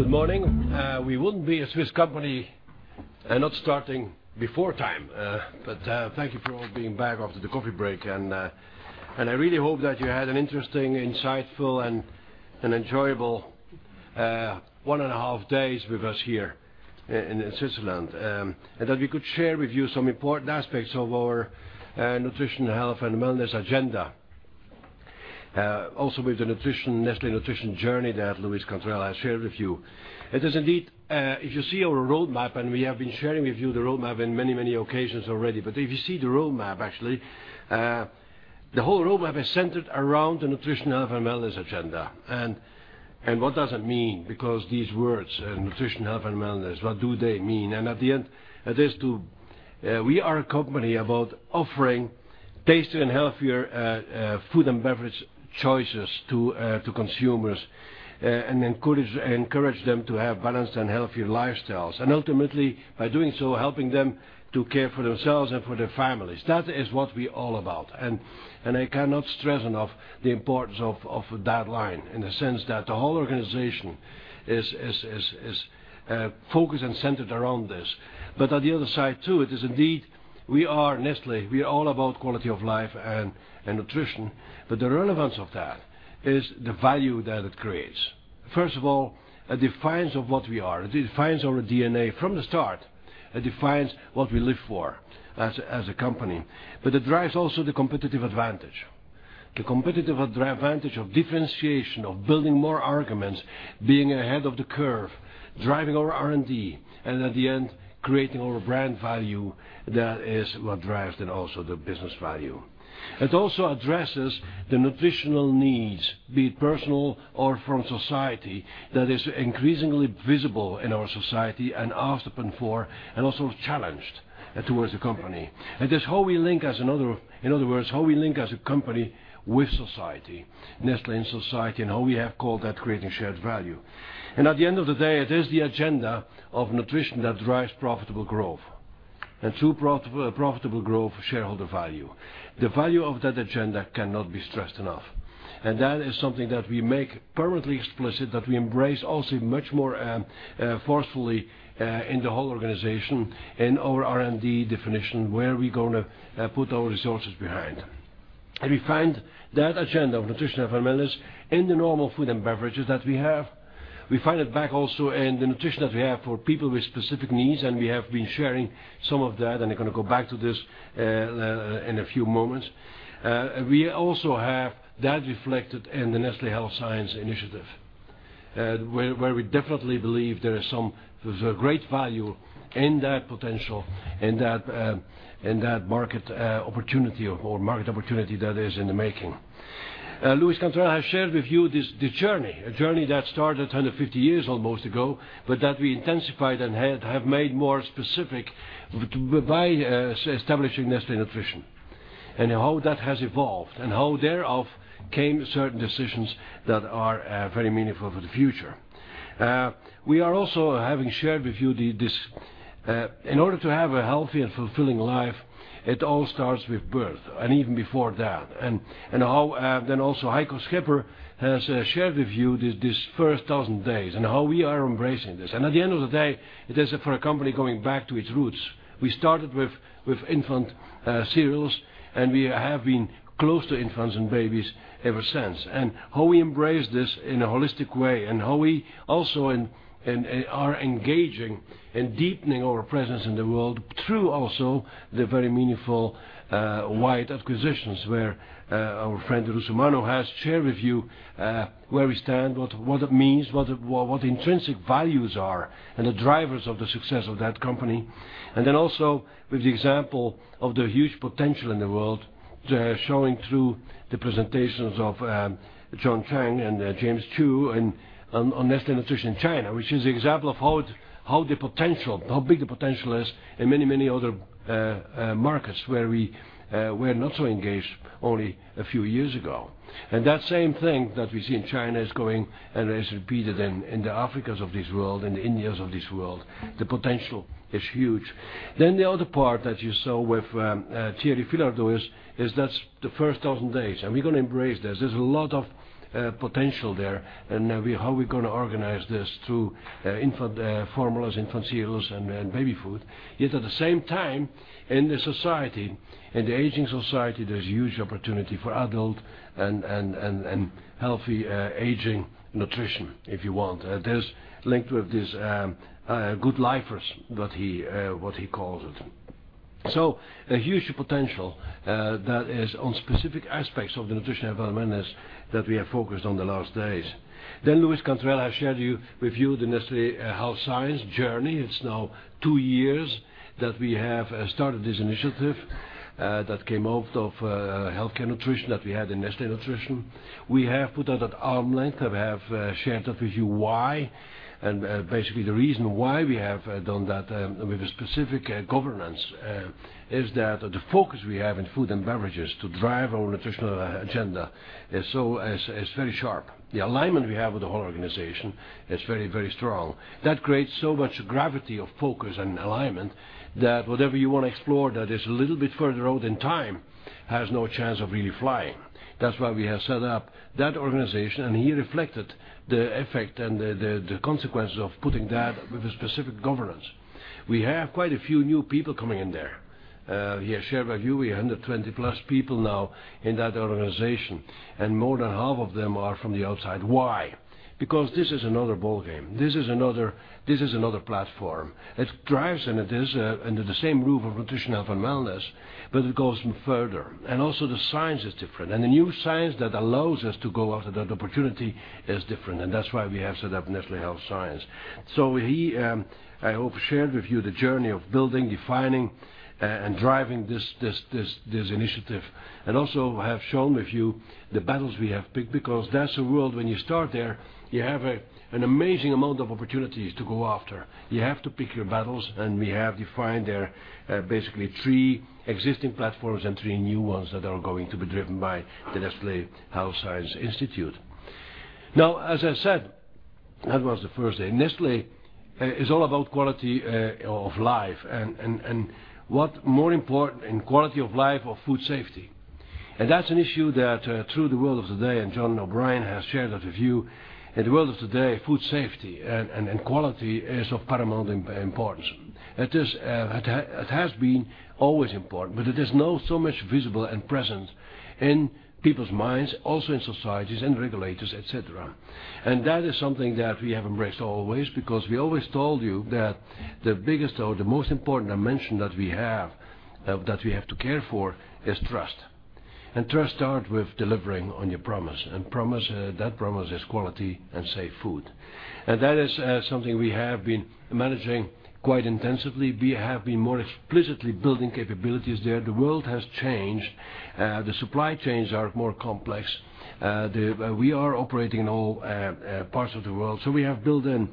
Good morning. We wouldn't be a Swiss company not starting before time. Thank you for all being back after the coffee break. I really hope that you had an interesting, insightful, and enjoyable one and a half days with us here in Switzerland, that we could share with you some important aspects of our nutrition, health, and wellness agenda. Also with the Nestlé Nutrition journey that Luis Cantarell has shared with you. It is indeed, if you see our roadmap, we have been sharing with you the roadmap in many, many occasions already, if you see the roadmap, actually, the whole roadmap is centered around the nutrition, health, and wellness agenda. What does that mean? Because these words, nutrition, health, and wellness, what do they mean? At the end, we are a company about offering tasty and healthier food and beverage choices to consumers, and encourage them to have balanced and healthier lifestyles. Ultimately, by doing so, helping them to care for themselves and for their families. That is what we're all about. I cannot stress enough the importance of that line in the sense that the whole organization is focused and centered around this. On the other side, too, it is indeed, we are Nestlé. We are all about quality of life and nutrition. The relevance of that is the value that it creates. First of all, it defines of what we are. It defines our DNA from the start. It defines what we live for as a company. It drives also the competitive advantage. The competitive advantage of differentiation, of building more arguments, being ahead of the curve, driving our R&D, and at the end, creating our brand value. That is what drives then also the business value. It also addresses the nutritional needs, be it personal or from society, that is increasingly visible in our society and asked upon for, and also challenged towards the company. It is how we link, in other words, how we link as a company with society, Nestlé and society, and how we have called that Creating Shared Value. At the end of the day, it is the agenda of nutrition that drives profitable growth. Through profitable growth, shareholder value. The value of that agenda cannot be stressed enough. That is something that we make permanently explicit, that we embrace also much more forcefully in the whole organization, in our R&D definition, where we're going to put our resources behind. We find that agenda of nutrition, health, and wellness in the normal food and beverages that we have. We find it back also in the nutrition that we have for people with specific needs, and we have been sharing some of that, and I'm going to go back to this in a few moments. We also have that reflected in the Nestlé Health Science initiative where we definitely believe there is some great value in that potential, in that market opportunity or market opportunity that is in the making. Luis Cantarell has shared with you this journey. A journey that started 150 years almost ago, that we intensified and have made more specific by establishing Nestlé Nutrition. How that has evolved and how thereof came certain decisions that are very meaningful for the future. We are also having shared with you this, in order to have a healthy and fulfilling life, it all starts with birth and even before that. How then also Heiko Schipper has shared with you this first 1,000 days and how we are embracing this. At the end of the day, it is for a company going back to its roots. We started with infant cereals, and we have been close to infants and babies ever since. How we embrace this in a holistic way and how we also are engaging and deepening our presence in the world through also the very meaningful Wyeth acquisitions, where our friend Russomanno has shared with you where we stand, what it means, what the intrinsic values are, and the drivers of the success of that company. Then also with the example of the huge potential in the world, showing through the presentations of John Tang and James Chu on Nestlé Nutrition China, which is example of how big the potential is in many, many other markets where we were not so engaged only a few years ago. That same thing that we see in China is going and is repeated in the Africas of this world and the Indias of this world. The potential is huge. The other part that you saw with Thierry Philardeau is that's the first 1,000 days, and we're going to embrace this. There's a lot of potential there. How we're going to organize this through infant formulas, infant cereals, and baby food. Yet at the same time, in the society, in the aging society, there's huge opportunity for adult and healthy aging nutrition if you want. There's link with this Good Lifers what he calls it. A huge potential that is on specific aspects of the nutrition, health, and wellness that we have focused on the last days. Luis Cantarell has shared with you the Nestlé Health Science journey. It's now two years that we have started this initiative that came out of healthcare nutrition that we had in Nestlé Nutrition. We have put that at arm's length, have shared that with you why, basically the reason why we have done that with a specific governance is that the focus we have in food and beverages to drive our nutritional agenda is very sharp. The alignment we have with the whole organization is very, very strong. That creates so much gravity of focus and alignment that whatever you want to explore that is a little bit further out in time has no chance of really flying. That's why we have set up that organization, he reflected the effect and the consequences of putting that with a specific governance. We have quite a few new people coming in there. We share value. We are 120 plus people now in that organization, more than half of them are from the outside. Why? Because this is another ballgame. This is another platform. It drives, and it is under the same roof of nutrition, health, and wellness, but it goes further. Also the science is different. The new science that allows us to go after that opportunity is different, and that's why we have set up Nestlé Health Science. We, I hope, shared with you the journey of building, defining, and driving this initiative. Also have shown with you the battles we have picked because that's a world when you start there, you have an amazing amount of opportunities to go after. You have to pick your battles, and we have defined there basically three existing platforms and three new ones that are going to be driven by the Nestlé Institute of Health Sciences. As I said, that was the first day. Nestlé is all about quality of life, what more important in quality of life of food safety. That's an issue that through the world of today, John O'Brien has shared that with you. In the world of today, food safety and quality is of paramount importance. It has been always important, but it is now so much visible and present in people's minds, also in societies and regulators, et cetera. That is something that we have embraced always because we always told you that the biggest or the most important dimension that we have to care for is trust. Trust starts with delivering on your promise. That promise is quality and safe food. That is something we have been managing quite intensively. We have been more explicitly building capabilities there. The world has changed. The supply chains are more complex. We are operating in all parts of the world. We have built and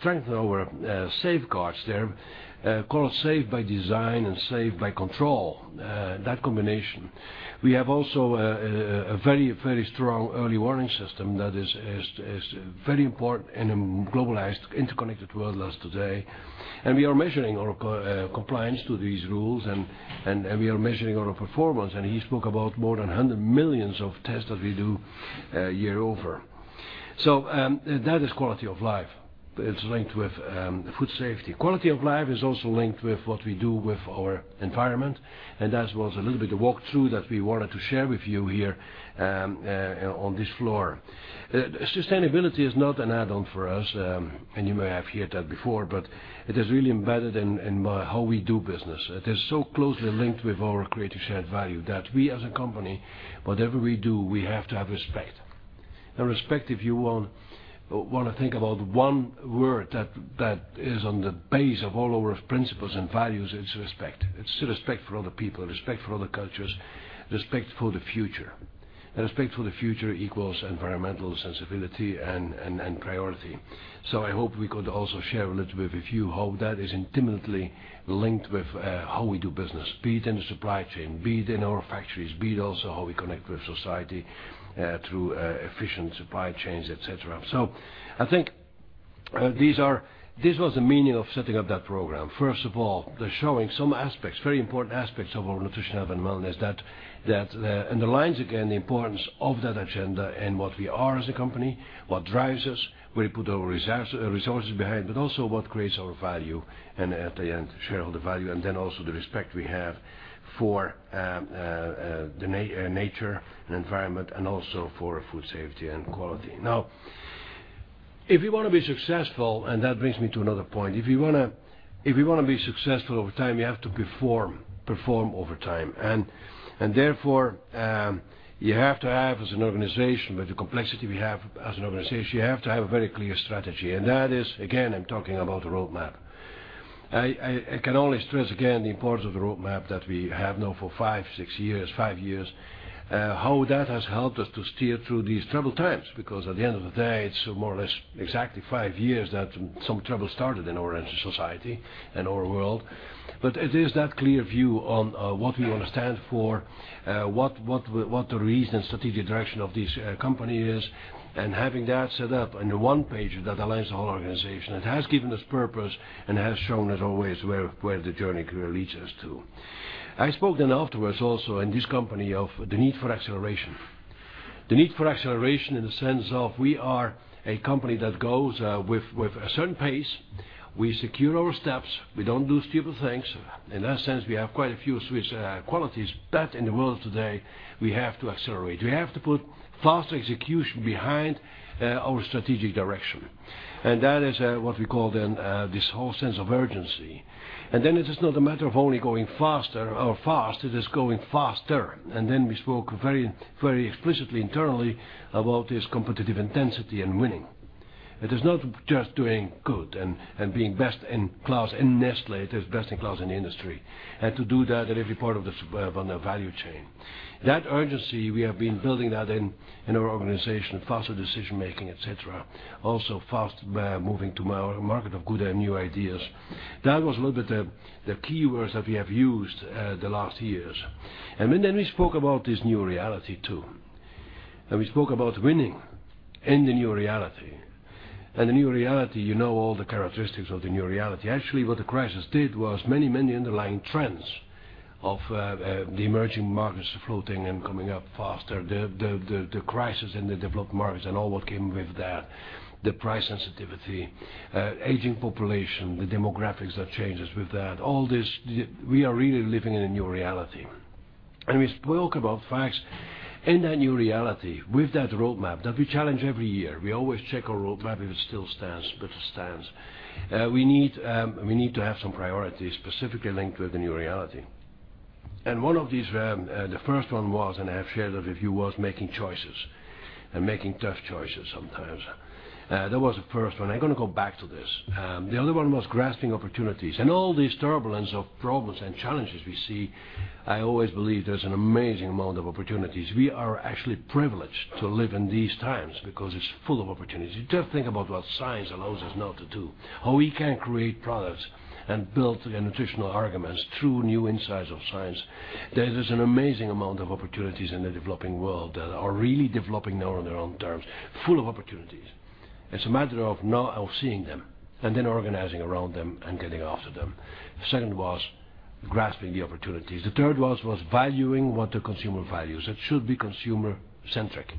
strengthened our safeguards there, called Safe by Design and Safe by Control, that combination. We have also a very strong early warning system that is very important in a globalized, interconnected world as today. We are measuring our compliance to these rules, and we are measuring our performance. He spoke about more than 100 million tests that we do year over. That is quality of life. It's linked with food safety. Quality of life is also linked with what we do with our environment, that was a little bit of walkthrough that we wanted to share with you here on this floor. Sustainability is not an add-on for us, you may have heard that before, but it is really embedded in how we do business. It is so closely linked with our Creating Shared Value that we as a company, whatever we do, we have to have respect. Respect, if you want to think about one word that is on the base of all of our principles and values, it's respect. It's respect for other people, respect for other cultures, respect for the future. Respect for the future equals environmental sensibility and priority. I hope we could also share a little bit with you how that is intimately linked with how we do business, be it in the supply chain, be it in our factories, be it also how we connect with society through efficient supply chains, et cetera. I think this was the meaning of setting up that program. First of all, they're showing some aspects, very important aspects of our nutrition, health, and wellness that underlines again the importance of that agenda and what we are as a company, what drives us, where we put our resources behind, but also what creates our value and at the end, shareholder value, and also the respect we have for nature and environment, and also for food safety and quality. Now, if you want to be successful, and that brings me to another point, if you want to be successful over time, you have to perform over time. Therefore, you have to have as an organization, with the complexity we have as an organization, you have to have a very clear strategy. That is, again, I'm talking about the roadmap. I can only stress again the importance of the roadmap that we have now for five years, how that has helped us to steer through these troubled times, because at the end of the day, it's more or less exactly five years that some trouble started in our society and our world. It is that clear view on what we want to stand for, what the reason and strategic direction of this company is, and having that set up on the one page that aligns the whole organization. It has given us purpose and has shown us always where the journey could lead us to. I spoke then afterwards also in this company of the need for acceleration. The need for acceleration in the sense of we are a company that goes with a certain pace. We secure our steps. We don't do stupid things. In that sense, we have quite a few Swiss qualities. In the world today, we have to accelerate. We have to put fast execution behind our strategic direction. That is what we call then this whole sense of urgency. Then it is not a matter of only going faster or fast, it is going faster. Then we spoke very explicitly internally about this competitive intensity and winning. It is not just doing good and being best in class in Nestlé, it is best in class in industry. To do that at every part of the value chain. That urgency, we have been building that in our organization, faster decision making, et cetera. Also fast moving to market of good and new ideas. That was a little bit the keywords that we have used the last years. Then we spoke about this new reality too. We spoke about winning in the new reality. The new reality, you know all the characteristics of the new reality. Actually, what the crisis did was many underlying trends of the emerging markets floating and coming up faster, the crisis in the developed markets and all what came with that, the price sensitivity, aging population, the demographics that changes with that, all this, we are really living in a new reality. We spoke about facts in that new reality with that roadmap that we challenge every year. We always check our roadmap if it still stands, but it stands. We need to have some priorities specifically linked with the new reality. One of these, the first one was, and I have shared it with you, was making choices, and making tough choices sometimes. That was the first one. I'm going to go back to this. The other one was grasping opportunities and all this turbulence of problems and challenges we see, I always believe there's an amazing amount of opportunities. We are actually privileged to live in these times because it's full of opportunities. Just think about what science allows us now to do, how we can create products and build nutritional arguments through new insights of science. There is an amazing amount of opportunities in the developing world that are really developing now on their own terms, full of opportunities. It's a matter of seeing them and then organizing around them and getting after them. Second was grasping the opportunities. The third was valuing what the consumer values. It should be consumer-centric.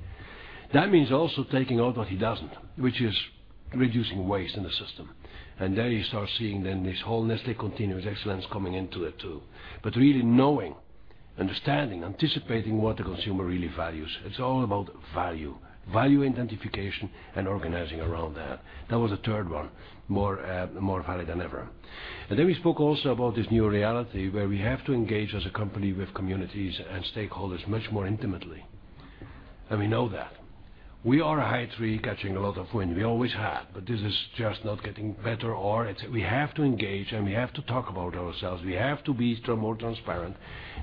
That means also taking out what he doesn't, which is reducing waste in the system. There you start seeing then this whole Nestlé Continuous Excellence coming into it, too. Really knowing, understanding, anticipating what the consumer really values. It's all about value identification, and organizing around that. That was the third one. More value than ever. Then we spoke also about this new reality where we have to engage as a company with communities and stakeholders much more intimately. We know that. We are a high tree catching a lot of wind. We always have, but this is just not getting better or we have to engage and we have to talk about ourselves. We have to be more transparent,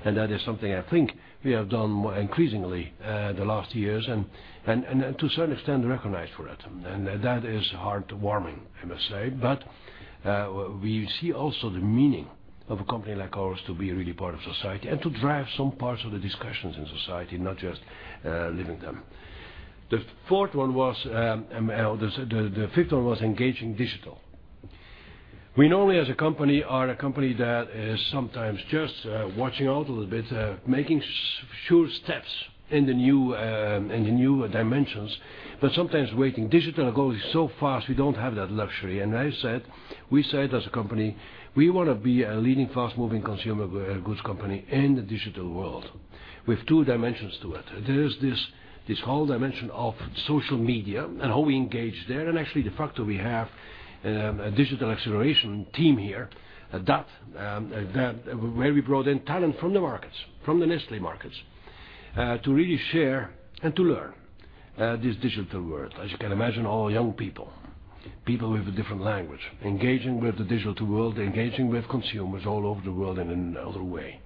that is something I think we have done more increasingly, the last years and to a certain extent, recognized for it. That is heartwarming, I must say. We see also the meaning of a company like ours to be really part of society and to drive some parts of the discussions in society, not just living them. The fifth one was engaging digital. We normally as a company are a company that is sometimes just watching out a little bit, making sure steps in the new dimensions, but sometimes waiting. Digital goes so fast, we don't have that luxury. I said, we said as a company, we want to be a leading fast-moving consumer goods company in the digital world with two dimensions to it. There is this whole dimension of social media and how we engage there, and actually the fact that we have a Digital Acceleration Team here where we brought in talent from the markets, from the Nestlé markets, to really share and to learn this digital world. As you can imagine, all young people with a different language, engaging with the digital world, engaging with consumers all over the world in another way.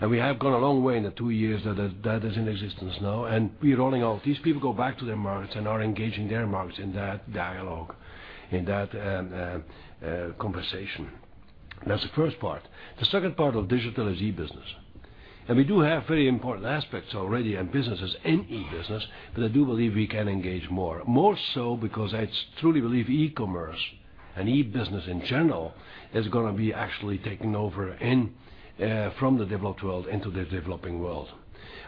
We have gone a long way in the two years that that is in existence now. We are rolling out. These people go back to their markets and are engaging their markets in that dialogue, in that conversation. That's the first part. The second part of digital is e-business. We do have very important aspects already and businesses in e-business, but I do believe we can engage more, more so because I truly believe e-commerce and e-business in general is going to be actually taking over from the developed world into the developing world.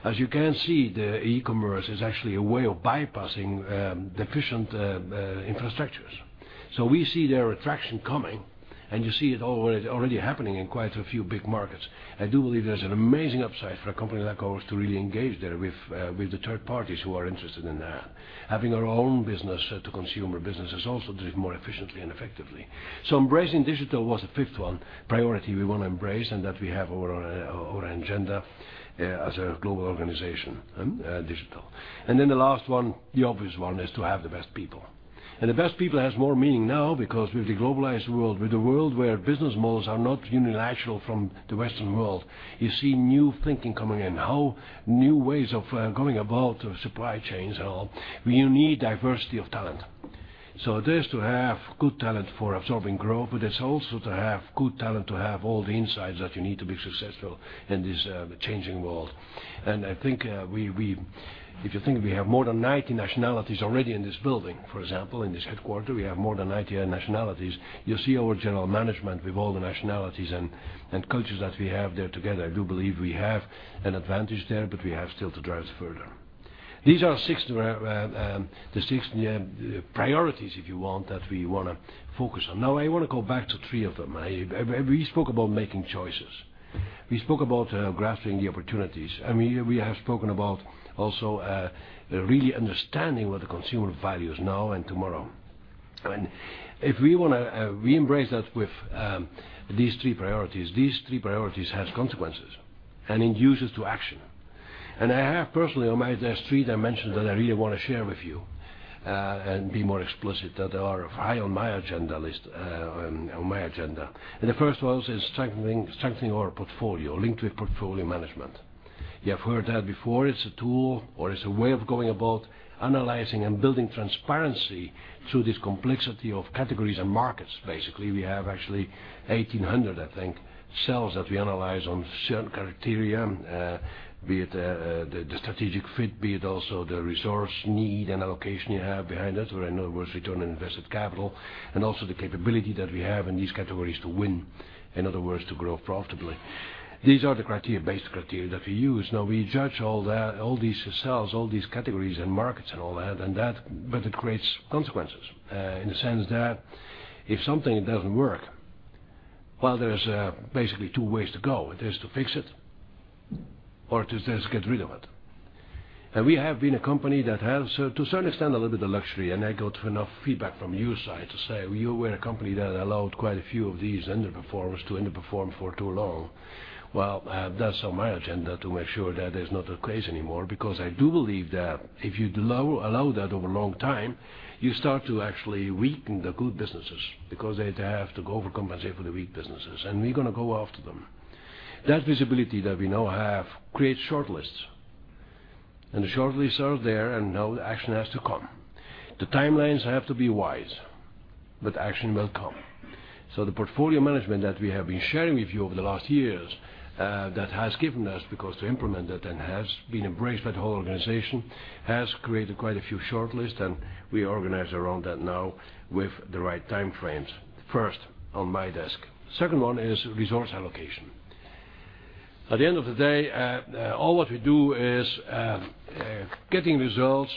As you can see, the e-commerce is actually a way of bypassing deficient infrastructures. We see their attraction coming, you see it already happening in quite a few big markets. I do believe there's an amazing upside for a company like ours to really engage there with the third parties who are interested in that. Having our own business to consumer businesses also deliver more efficiently and effectively. Embracing digital was the fifth one, priority we want to embrace and that we have on our agenda as a global organization, digital. The last one, the obvious one, is to have the best people. The best people has more meaning now because with the globalized world, with the world where business models are not unilateral from the Western world, you see new thinking coming in. How new ways of going about supply chains and all. You need diversity of talent. It is to have good talent for absorbing growth, it's also to have good talent to have all the insights that you need to be successful in this changing world. I think if you think we have more than 90 nationalities already in this building, for example, in this headquarter, we have more than 90 nationalities. You see our general management with all the nationalities and cultures that we have there together. I do believe we have an advantage there, but we have still to drive it further. These are the six priorities if you want that we want to focus on. I want to go back to three of them. We spoke about making choices. We spoke about grasping the opportunities. We have spoken about also really understanding what the consumer values now and tomorrow. If we embrace that with these three priorities, these three priorities have consequences and induces to action. I have personally on my agenda, there are three dimensions that I really want to share with you, and be more explicit that are high on my agenda list, on my agenda. The first one is strengthening our portfolio linked with portfolio management. You have heard that before. It's a tool or it's a way of going about analyzing and building transparency through this complexity of categories and markets. Basically, we have actually 1,800, I think, cells that we analyze on certain criteria, be it the strategic fit, be it also the resource need and allocation you have behind that or in other words, Return on Invested Capital and also the capability that we have in these categories to win, in other words, to grow profitably. These are the basic criteria that we use. We judge all these cells, all these categories and markets, and all that. It creates consequences, in the sense that if something doesn't work, well, there's basically two ways to go. It is to fix it or it is just get rid of it. We have been a company that has, to a certain extent, a little bit of luxury, and I got enough feedback from you, Sai, to say we were a company that allowed quite a few of these underperformers to underperform for too long. That's on my agenda to make sure that is not the case anymore, because I do believe that if you allow that over a long time, you start to actually weaken the good businesses because they have to overcompensate for the weak businesses, and we're going to go after them. That visibility that we now have creates shortlists, the shortlists are there, the action has to come. The timelines have to be wise, action will come. The portfolio management that we have been sharing with you over the last years, that has given us, because to implement it, has been embraced by the whole organization, has created quite a few shortlists, and we organize around that now with the right time frames. First, on my desk. Second one is resource allocation. At the end of the day, all what we do is getting results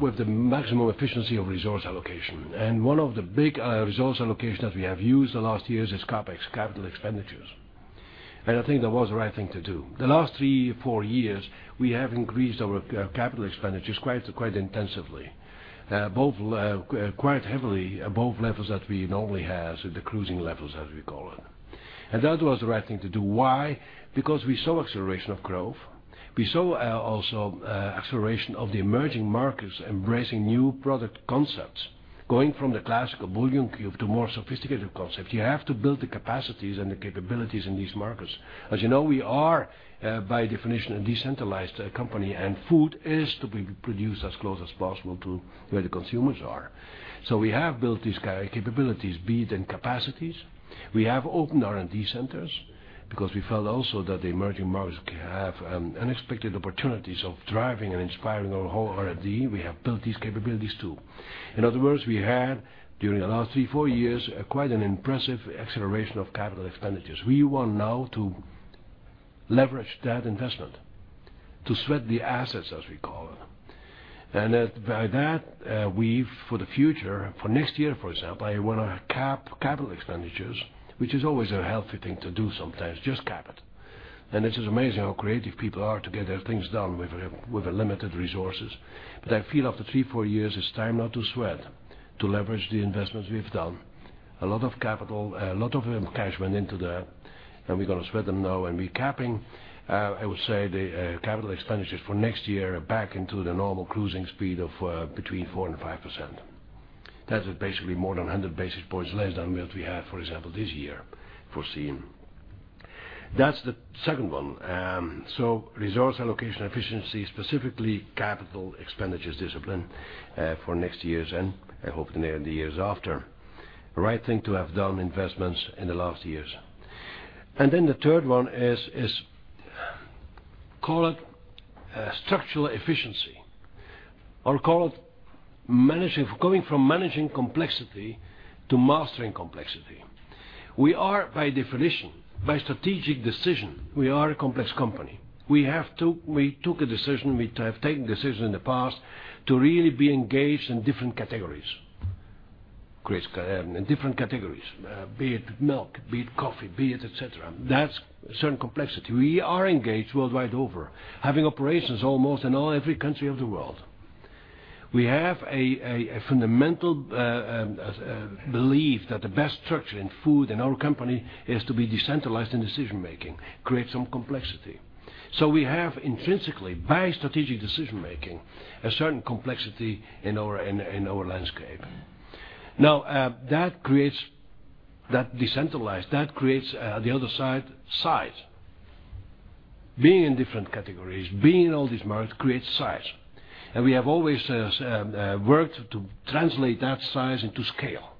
with the maximum efficiency of resource allocation. One of the big resource allocation that we have used the last years is CapEx, capital expenditures. I think that was the right thing to do. The last three, four years, we have increased our capital expenditures quite intensively, quite heavily, above levels that we normally have, the cruising levels, as we call it. That was the right thing to do. Why? Because we saw acceleration of growth. We saw also acceleration of the emerging markets embracing new product concepts. Going from the classical bouillon cube to more sophisticated concept, you have to build the capacities and the capabilities in these markets. As you know, we are, by definition, a decentralized company, and food is to be produced as close as possible to where the consumers are. We have built these capabilities, be it in capacities. We have opened R&D centers because we felt also that the emerging markets have unexpected opportunities of driving and inspiring our whole R&D. We have built these capabilities, too. In other words, we had, during the last three, four years, quite an impressive acceleration of capital expenditures. We want now to leverage that investment, to sweat the assets, as we call it. By that, we, for the future, for next year, for example, I want to cap capital expenditures, which is always a healthy thing to do sometimes, just cap it. It is amazing how creative people are to get their things done with the limited resources. I feel after three, four years, it's time now to sweat, to leverage the investments we've done. A lot of capital, a lot of cash went into that, we're going to sweat them now. We're capping, I would say, the capital expenditures for next year back into the normal cruising speed of between 4% and 5%. That is basically more than 100 basis points less than what we have, for example, this year foreseen. That's the second one. Resource allocation efficiency, specifically capital expenditures discipline for next years and, I hope, in the years after. Right thing to have done investments in the last years. Then the third one is, call it structural efficiency, or call it going from managing complexity to mastering complexity. We are, by definition, by strategic decision, we are a complex company. We took a decision, we have taken decisions in the past to really be engaged in different categories. Creates different categories, be it milk, be it coffee, be it et cetera. That's certain complexity. We are engaged worldwide over, having operations almost in all every country of the world. We have a fundamental belief that the best structure in food in our company is to be decentralized in decision-making. It creates some complexity. We have intrinsically, by strategic decision-making, a certain complexity in our landscape. That creates that decentralize, that creates the other side, size. Being in different categories, being in all these markets creates size. We have always worked to translate that size into scale,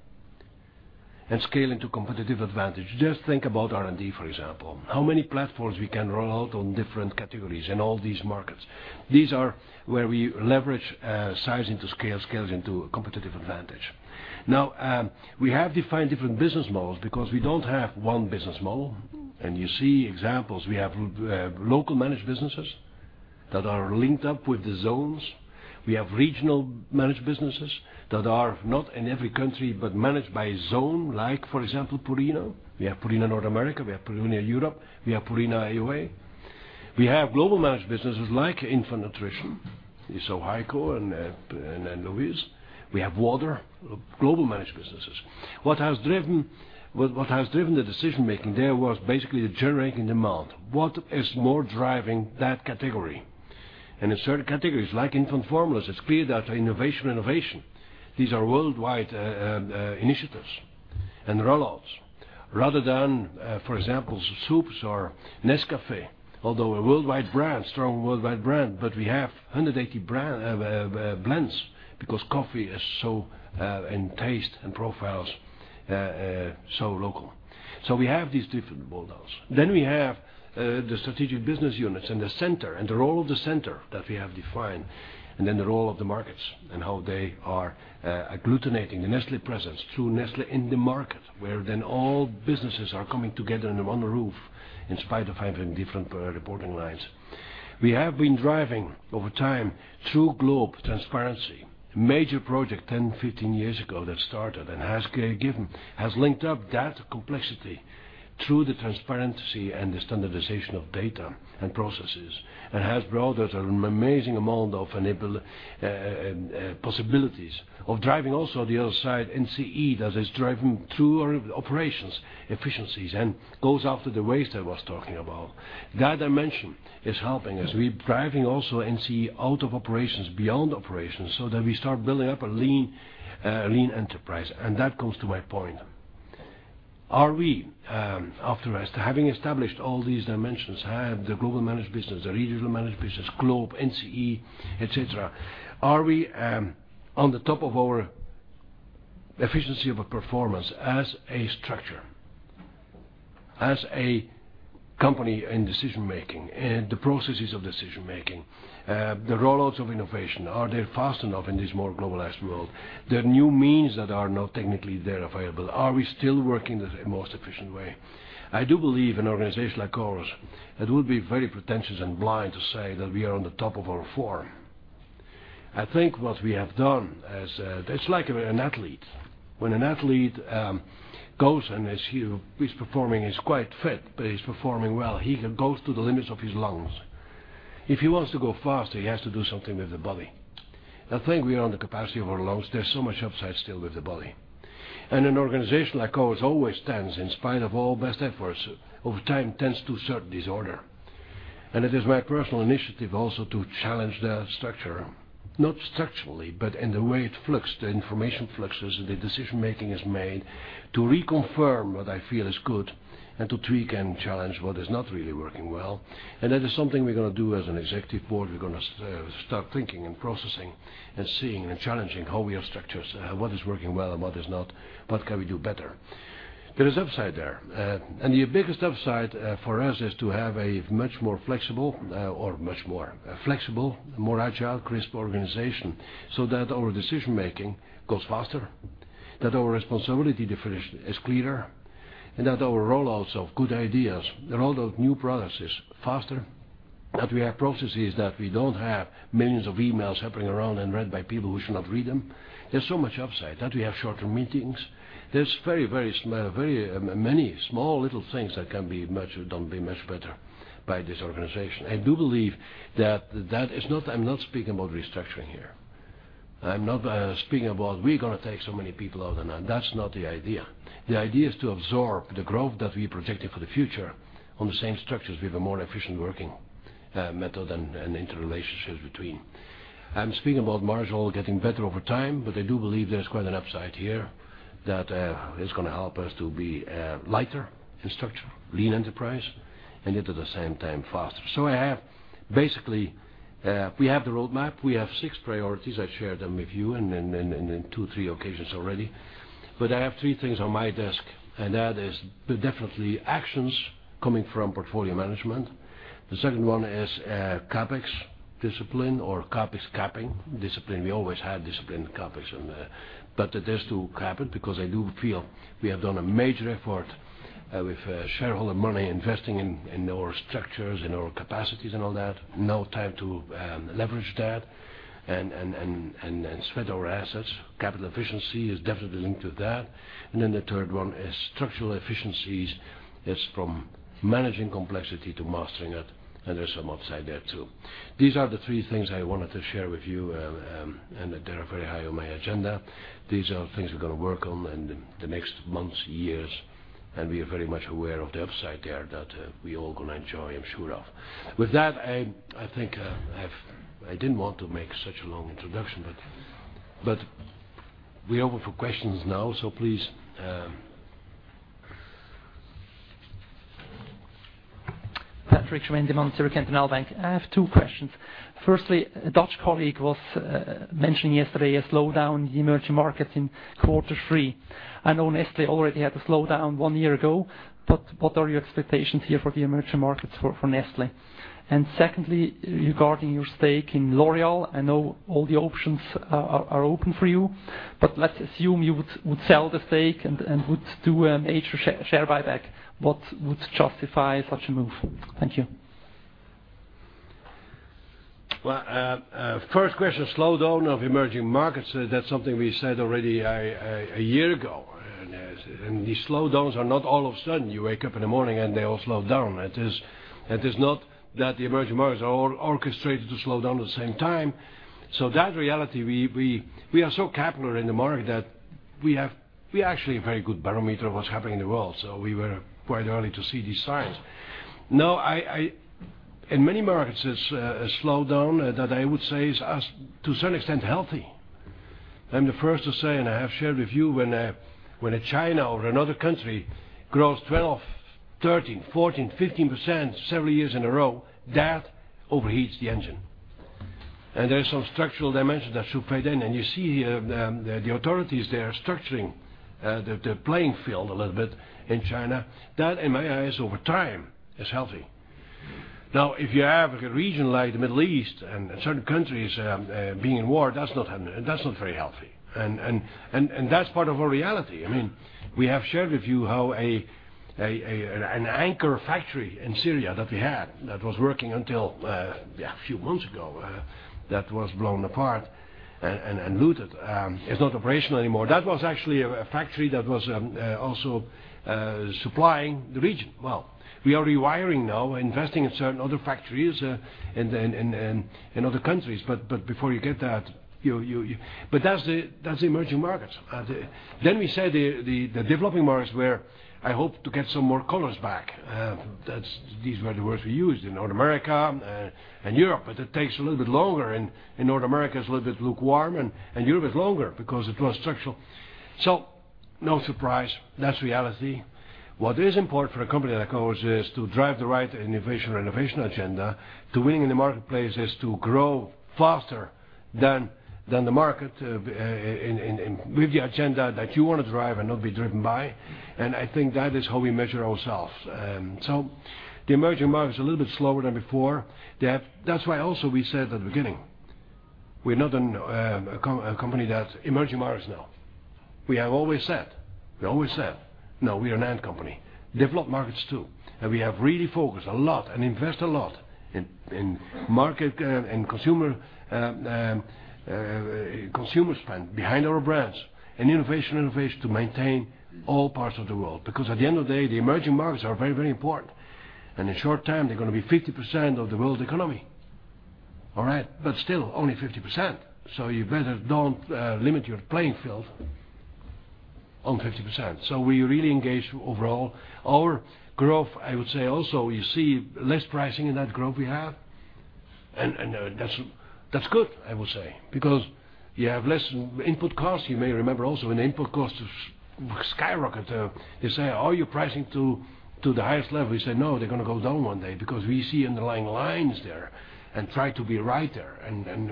and scale into competitive advantage. Just think about R&D, for example. How many platforms we can roll out on different categories in all these markets? These are where we leverage size into scale into competitive advantage. We have defined different business models because we don't have one business model. You see examples. We have local managed businesses that are linked up with the zones. We have regional managed businesses that are not in every country, but managed by zone, like, for example, Purina. We have Purina North America, we have Purina Europe, we have Purina AOA. We have global managed businesses like infant nutrition. You saw Heiko and then Luis. We have water, global managed businesses. What has driven the decision-making there was basically the generating demand. What is more driving that category? In certain categories, like infant formulas, it's clear that innovation, these are worldwide initiatives and roll-outs rather than, for example, soups or Nescafé, although a worldwide brand, strong worldwide brand, but we have 180 blends because coffee is so in taste and profiles, so local. We have these different models. We have the strategic business units and the center, and the role of the center that we have defined, and then the role of the markets and how they are agglutinating the Nestlé presence through Nestlé in the market, where all businesses are coming together under one roof in spite of having different reporting lines. We have been driving over time through GLOBE Transparency, a major project 10, 15 years ago that started and has linked up that complexity through the transparency and the standardization of data and processes, and has brought us an amazing amount of possibilities of driving also the other side, NCE, that is driving through our operations efficiencies and goes after the waste I was talking about. That dimension is helping us. We're driving also NCE out of operations, beyond operations, so that we start building up a lean enterprise. That comes to my point. Are we, after having established all these dimensions, the global managed business, the regional managed business, GLOBE, NCE, et cetera, are we on the top of our efficiency of a performance as a structure, as a company in decision-making, in the processes of decision-making? The rollouts of innovation, are they fast enough in this more globalized world? There are new means that are now technically there available. Are we still working the most efficient way? I do believe an organization like ours, it would be very pretentious and blind to say that we are on the top of our form. I think what we have done, it's like an athlete. When an athlete goes and he's performing, he's quite fit, but he's performing well. He goes to the limits of his lungs. If he wants to go faster, he has to do something with the body. I think we are on the capacity of our lungs. There's so much upside still with the body. An organization like ours always stands, in spite of all best efforts, over time tends to a certain disorder. It is my personal initiative also to challenge that structure. Not structurally, but in the way it flux, the information fluxes, and the decision-making is made to reconfirm what I feel is good and to tweak and challenge what is not really working well. That is something we're going to do as an executive board. We're going to start thinking and processing and seeing and challenging how we are structured, what is working well and what is not, what can we do better. There is upside there. The biggest upside for us is to have a much more flexible, more agile, crisp organization so that our decision making goes faster, that our responsibility definition is clearer, and that our rollouts of good ideas, the rollout of new products is faster, that we have processes that we don't have millions of emails hopping around and read by people who should not read them. There's so much upside. That we have shorter meetings. There's very many small little things that can be much better by this organization. I do believe that I'm not speaking about restructuring here. I'm not speaking about we're going to take so many people out. No, that's not the idea. The idea is to absorb the growth that we projected for the future on the same structures with a more efficient working method and interrelationships between. I'm speaking about marginal getting better over time, but I do believe there's quite an upside here that is going to help us to be lighter in structure, lean enterprise, and yet at the same time, faster. I have basically, we have the roadmap. We have six priorities. I shared them with you in two, three occasions already. I have three things on my desk, and that is definitely actions coming from portfolio management. The second one is CapEx discipline or CapEx capping discipline. We always had discipline in CapEx, but that has to happen because I do feel we have done a major effort with shareholder money, investing in our structures, in our capacities and all that. Now time to leverage that and spread our assets. Capital efficiency is definitely linked to that. Then the third one is structural efficiencies. It's from managing complexity to mastering it, and there's some upside there, too. These are the three things I wanted to share with you, and they're very high on my agenda. These are things we're going to work on in the next months, years, and we are very much aware of the upside there that we're all going to enjoy, I'm sure of. With that, I think I didn't want to make such a long introduction, but we're open for questions now, please. Patrik Schwendimann from Zürcher Kantonalbank. I have two questions. Firstly, a Dutch colleague was mentioning yesterday a slowdown in the emerging markets in quarter 3. I know Nestlé already had a slowdown one year ago, but what are your expectations here for the emerging markets for Nestlé? Secondly, regarding your stake in L'Oréal, I know all the options are open for you, but let's assume you would sell the stake and would do a major share buyback. What would justify such a move? Thank you. First question, slowdown of emerging markets. That's something we said already a year ago. These slowdowns are not all of a sudden, you wake up in the morning and they all slow down. It is not that the emerging markets are all orchestrated to slow down at the same time. That reality, we are so capital in the market that we actually a very good barometer of what's happening in the world. We were quite early to see these signs. In many markets, it's a slowdown that I would say is, to a certain extent, healthy. I'm the first to say, and I have shared with you, when China or another country grows 12, 13, 14, 15% several years in a row, that overheats the engine. There is some structural dimensions that should play then. You see the authorities there structuring the playing field a little bit in China. That, in my eyes, over time, is healthy. If you have a region like the Middle East and certain countries being in war, that's not very healthy. That's part of our reality. We have shared with you how an anchor factory in Syria that we had, that was working until a few months ago, that was blown apart and looted. It's not operational anymore. That was actually a factory that was also supplying the region. We are rewiring now, investing in certain other factories in other countries. That's the emerging markets. We say the developing markets where I hope to get some more colors back. These were the words we used in North America and Europe, it takes a little bit longer, North America is a little bit lukewarm, Europe is longer because it was structural. No surprise, that's reality. What is important for a company like ours is to drive the right innovation, renovation agenda to winning in the marketplace, is to grow faster than the market and with the agenda that you want to drive and not be driven by. I think that is how we measure ourselves. The emerging market is a little bit slower than before. That's why also we said at the beginning, we're not a company that's emerging markets now. We have always said, no, we are an and company, developed markets too. We have really focused a lot and invest a lot in market and consumer spend behind our brands, and innovation to maintain all parts of the world. At the end of the day, the emerging markets are very important, and in short time, they're going to be 50% of the world economy. All right. Still only 50%. You better don't limit your playing field on 50%. We really engage overall. Our growth, I would say also, you see less pricing in that growth we have, and that's good, I would say. You have less input costs. You may remember also when input costs skyrocketed, you say, "Are you pricing to the highest level?" We say, "No, they're going to go down one day because we see underlying lines there and try to be right there."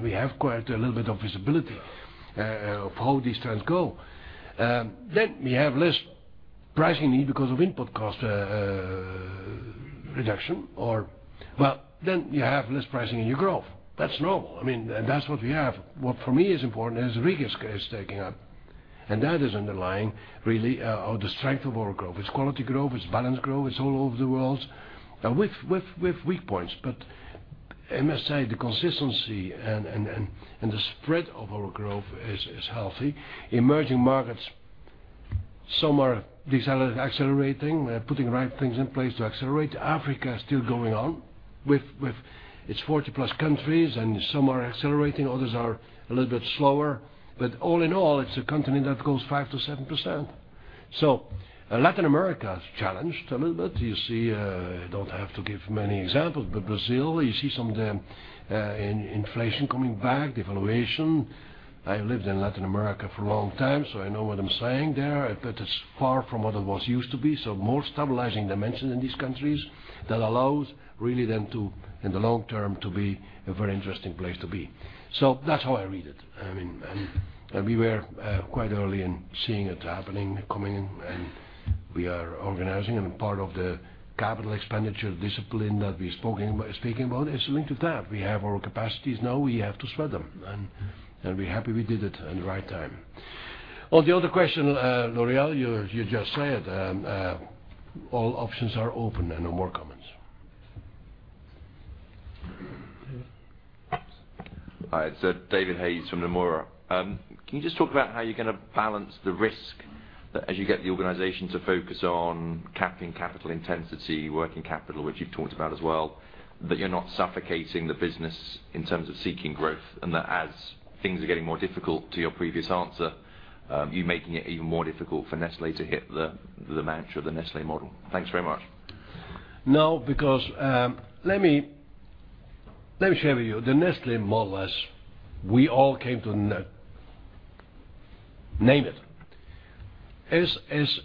We have quite a little bit of visibility of how these trends go. We have less pricing need because of input cost reduction or you have less pricing in your growth. That's normal. That's what we have. What for me is important is RIG taking up, and that is underlying really the strength of our growth. It's quality growth, it's balanced growth, it's all over the world. With weak points, I must say the consistency and the spread of our growth is healthy. Emerging markets, some are accelerating, putting the right things in place to accelerate. Africa is still going on with its 40-plus countries, some are accelerating, others are a little bit slower. All in all, it's a continent that goes 5%-7%. Latin America is challenged a little bit. You see, I don't have to give many examples, Brazil, you see some inflation coming back, devaluation. I lived in Latin America for a long time, I know what I'm saying there. It's far from what it was used to be. More stabilizing dimension in these countries that allows really then in the long term to be a very interesting place to be. That's how I read it. We were quite early in seeing it happening, coming in, and we are organizing, and part of the capital expenditure discipline that we're speaking about is linked to that. We have our capacities now, we have to spread them, and we're happy we did it at the right time. On the other question, L'Oréal, you just said, all options are open and no more comments. All right, David Hayes from Nomura. Can you just talk about how you're going to balance the risk that as you get the organization to focus on capping capital intensity, working capital, which you've talked about as well, that you're not suffocating the business in terms of seeking growth, and that as things are getting more difficult to your previous answer, you making it even more difficult for Nestlé to hit the mantra of the Nestlé Model? Thanks very much. Let me share with you. The Nestlé Model, as we all came to name it, is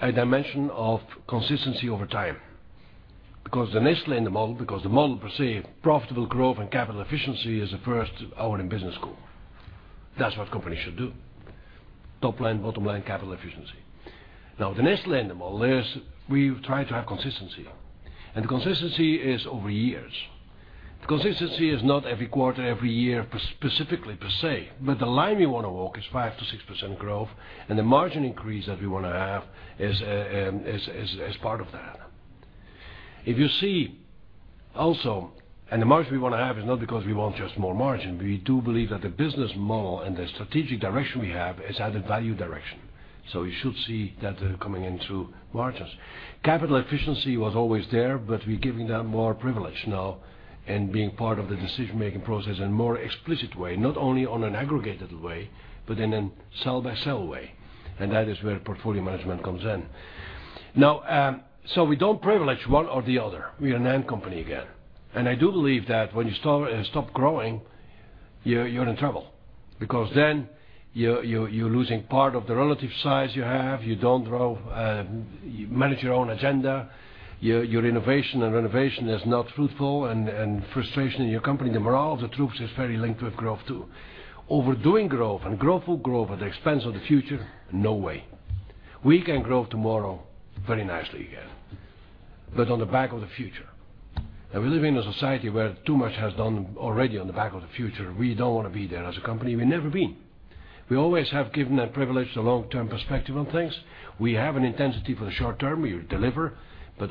a dimension of consistency over time. The Nestlé Model, because the model perceived profitable growth and capital efficiency as the first hour in business school. That's what companies should do. Top line, bottom line capital efficiency. The Nestlé Model is we try to have consistency, and consistency is over years. The consistency is not every quarter, every year, specifically per se, but the line we want to walk is 5%-6% growth, and the margin increase that we want to have is part of that. If you see also, the margin we want to have is not because we want just more margin. We do believe that the business model and the strategic direction we have is at a value direction. You should see that coming into margins. Capital efficiency was always there, but we're giving that more privilege now and being part of the decision-making process in a more explicit way, not only on an aggregated way, but in a cell-by-cell way. That is where portfolio management comes in. We don't privilege one or the other. We are an end company again. I do believe that when you stop growing, you're in trouble because then you're losing part of the relative size you have, you don't manage your own agenda, your innovation and renovation is not fruitful, and frustration in your company, the morale of the troops is very linked with growth, too. Overdoing growth and growth will grow at the expense of the future, no way. We can grow tomorrow very nicely again. On the back of the future. We live in a society where too much has done already on the back of the future. We don't want to be there as a company. We've never been. We always have given that privilege to long-term perspective on things. We have an intensity for the short term. We deliver,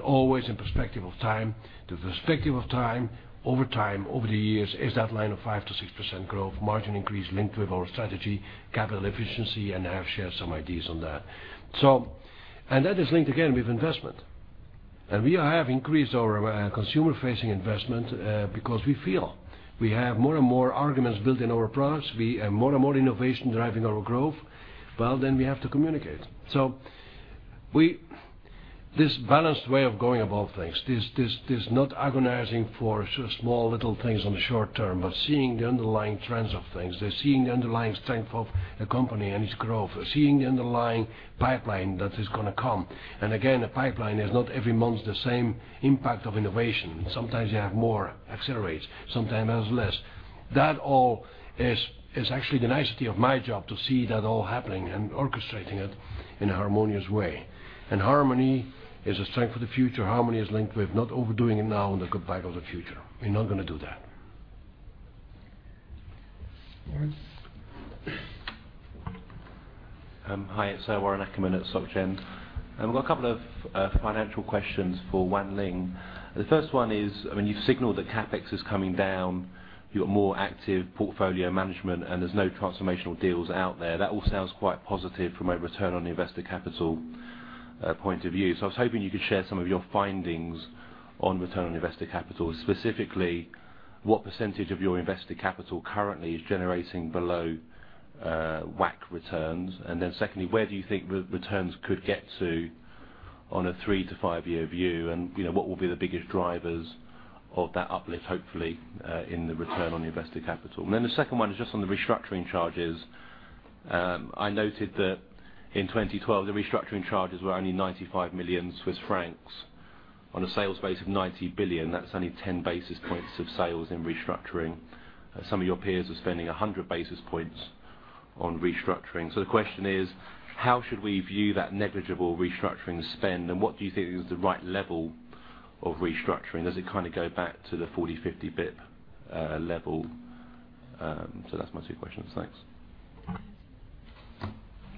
always in perspective of time. The perspective of time, over time, over the years, is that line of 5%-6% growth margin increase linked with our strategy, capital efficiency, I have shared some ideas on that. That is linked again with investment. We have increased our consumer-facing investment because we feel we have more and more arguments built in our products. We have more and more innovation driving our growth. We have to communicate. This balanced way of going about things, this not agonizing for small little things on the short term, but seeing underlying strength of a company and its growth, seeing the underlying pipeline that is going to come. Again, the pipeline is not every month the same impact of innovation. Sometimes you have more, accelerates, sometimes less. That all is actually the nicety of my job to see that all happening and orchestrating it in a harmonious way. Harmony is a strength for the future. Harmony is linked with not overdoing it now on the back of the future. We're not going to do that. Warren. Hi, it's Warren Ackerman at Soc Gen. I've got a couple of financial questions for Wan Ling. The first one is, you've signaled that CapEx is coming down, your more active portfolio management, and there's no transformational deals out there. That all sounds quite positive from a Return on Invested Capital point of view. I was hoping you could share some of your findings on Return on Invested Capital, specifically, what percentage of your invested capital currently is generating below WACC returns? Secondly, where do you think returns could get to on a 3 to 5-year view? What will be the biggest drivers of that uplift, hopefully, in the Return on Invested Capital? The second one is just on the restructuring charges. I noted that in 2012, the restructuring charges were only 95 million Swiss francs on a sales base of 90 billion. That's only 10 basis points of sales in restructuring. Some of your peers are spending 100 basis points on restructuring. The question is, how should we view that negligible restructuring spend, and what do you think is the right level of restructuring? Does it go back to the 40, 50 basis point level? That's my two questions. Thanks.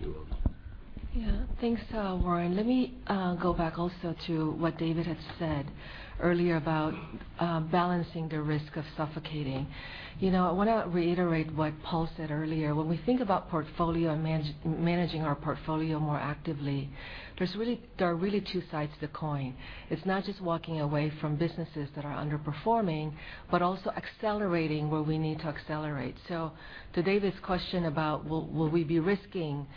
You're welcome. Yeah. Thanks, Warren. Let me go back also to what David had said earlier about balancing the risk of suffocating. I want to reiterate what Paul said earlier. When we think about portfolio and managing our portfolio more actively, there are really two sides to the coin. It is not just walking away from businesses that are underperforming, but also accelerating where we need to accelerate. So to David's question about will we be risking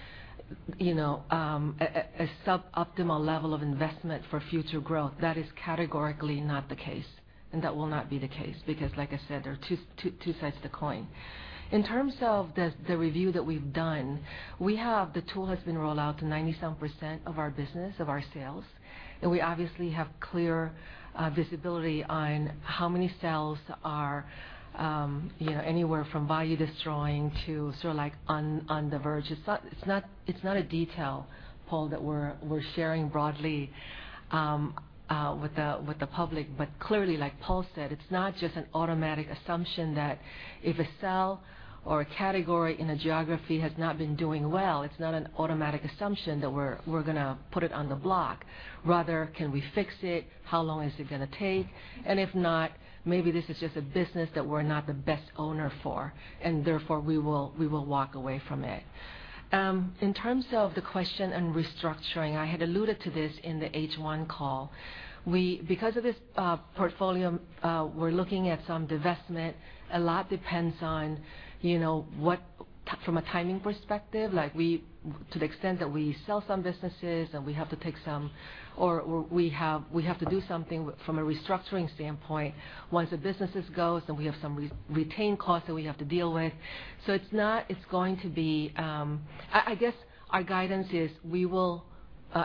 a suboptimal level of investment for future growth, that is categorically not the case, and that will not be the case because like I said, there are two sides to the coin. In terms of the review that we have done, the tool has been rolled out to 97% of our business, of our sales, and we obviously have clear visibility on how many sales are anywhere from value destroying to on the verge. It's not a detail, Paul, that we're sharing broadly with the public. But clearly, like Paul said, it's not just an automatic assumption that if a sale or a category in a geography has not been doing well, it's not an automatic assumption that we're going to put it on the block. Rather, can we fix it? How long is it going to take? And if not, maybe this is just a business that we are not the best owner for, and therefore, we will walk away from it. In terms of the question on restructuring, I had alluded to this in the H1 call. Because of this portfolio, we are looking at some divestment. A lot depends on what, from a timing perspective, to the extent that we sell some businesses and we have to take some, or we have to do something from a restructuring standpoint. Once the businesses go, so we have some retained costs that we have to deal with. I guess our guidance is we will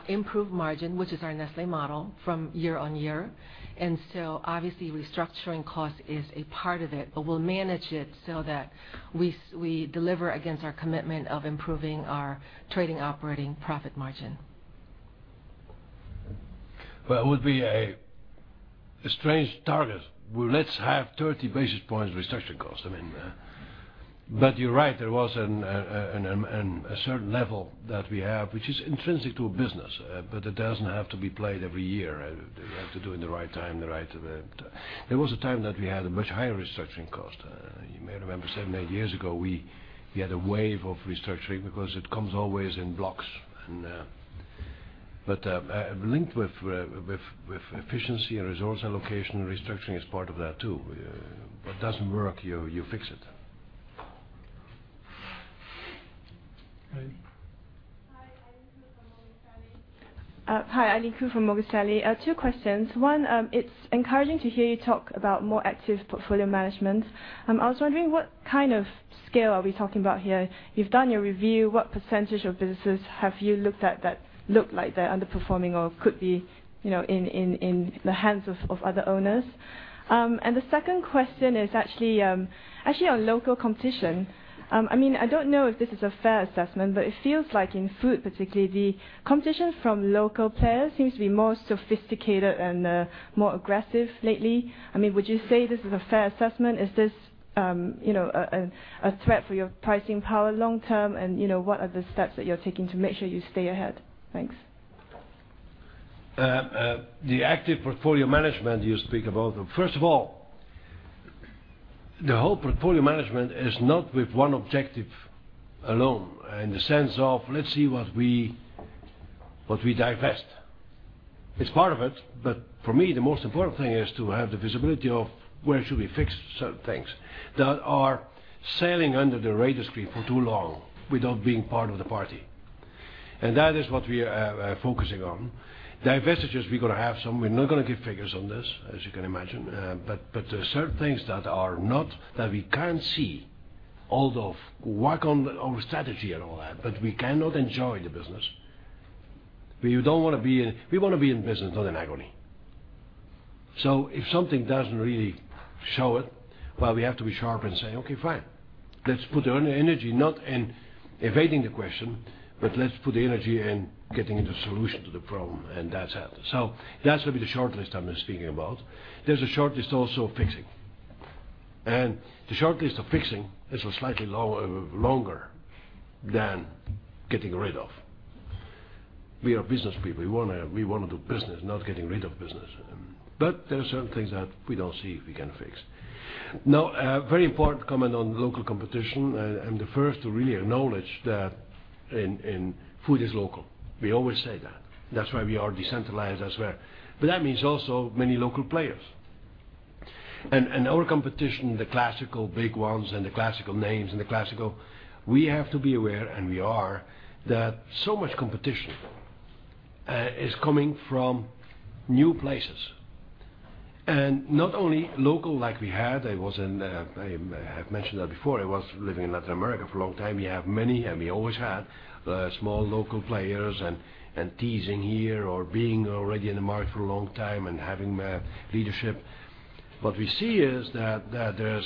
improve margin, which is our Nestlé Model, year-on-year. And so obviously restructuring cost is a part of it, but we will manage it so that we deliver against our commitment of improving our trading operating profit margin. Well, it would be a strange target. Well, let's have 30 basis points restructuring cost. But you are right, there was a certain level that we have, which is intrinsic to a business, but it does not have to be played every year. You have to do it in the right time. There was a time that we had a much higher restructuring cost. You may remember seven, eight years ago, we had a wave of restructuring because it comes always in blocks. But linked with efficiency and resource allocation, restructuring is part of that, too. What does not work, you fix it. Eileen. Hi, Eileen Khoo from Morgan Stanley. Two questions. One, it's encouraging to hear you talk about more active portfolio management. I was wondering what kind of scale are we talking about here? You've done your review. What % of businesses have you looked at that look like they're underperforming or could be in the hands of other owners? The second question is actually on local competition. I don't know if this is a fair assessment, it feels like in food particularly, the competition from local players seems to be more sophisticated and more aggressive lately. Would you say this is a fair assessment? Is this a threat for your pricing power long term? What are the steps that you're taking to make sure you stay ahead? Thanks. The active portfolio management you speak about, first of all, the whole portfolio management is not with one objective alone in the sense of let's see what we divest. It's part of it, for me, the most important thing is to have the visibility of where should we fix certain things that are sailing under the radar screen for too long without being part of the party. That is what we are focusing on. Divestitures, we're going to have some. We're not going to give figures on this, as you can imagine. There are certain things that we can't see, although work on our strategy and all that, we cannot enjoy the business. We want to be in business, not in agony. If something doesn't really show it, well, we have to be sharp and say, "Okay, fine. Let's put energy," not in evading the question, let's put the energy in getting the solution to the problem, that's happened. That will be the short list I'm speaking about. There's a short list also of fixing. The short list of fixing is slightly longer than getting rid of. We are business people. We want to do business, not getting rid of business. There are certain things that we don't see we can fix. Now, a very important comment on local competition. I'm the first to really acknowledge that food is local. We always say that. That's why we are decentralized as well. That means also many local players. Our competition, the classical big ones and the classical names and the classical, we have to be aware, and we are, that so much competition is coming from new places. Not only local like we had, I have mentioned that before. I was living in Latin America for a long time. You have many, we always had small local players and teasing here or being already in the market for a long time and having leadership. What we see is that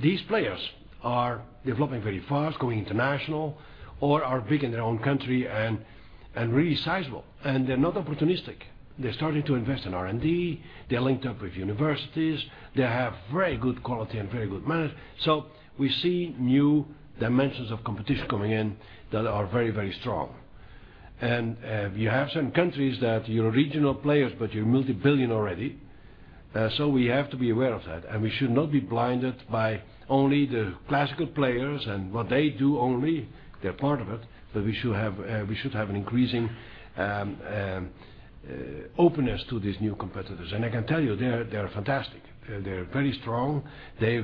these players are developing very fast, going international, or are big in their own country and really sizable, and they're not opportunistic. They're starting to invest in R&D. They're linked up with universities. They have very good quality and very good management. We see new dimensions of competition coming in that are very strong. You have some countries that you're regional players, you're multi-billion already. We have to be aware of that, we should not be blinded by only the classical players and what they do only. They're part of it, but we should have an increasing openness to these new competitors. I can tell you, they are fantastic. They're very strong. They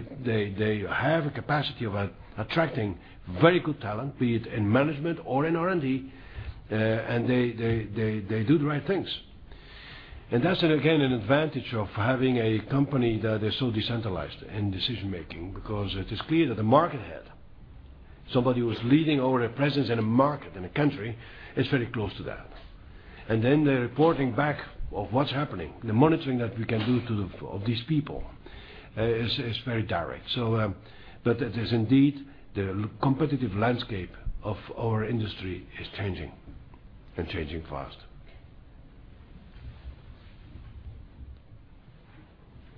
have a capacity of attracting very good talent, be it in management or in R&D, and they do the right things. That's, again, an advantage of having a company that is so decentralized in decision-making because it is clear that the market head, somebody who's leading our presence in a market, in a country, is very close to that. Then the reporting back of what's happening, the monitoring that we can do of these people is very direct. There's indeed, the competitive landscape of our industry is changing and changing fast.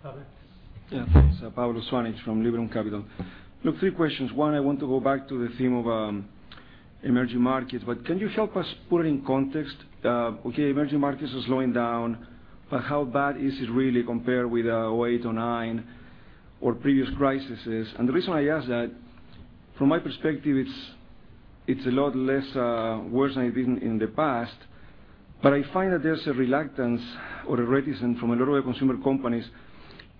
Pablo? Yeah, thanks. Pablo Zuanic from Liberum Capital. Look, three questions. One, I want to go back to the theme of emerging markets, but can you help us put it in context? Okay, emerging markets is slowing down, but how bad is it really compared with 2008, 2009 or previous crises? The reason I ask that, from my perspective, it's a lot less worse than it's been in the past. I find that there's a reluctance or a reticence from a lot of consumer companies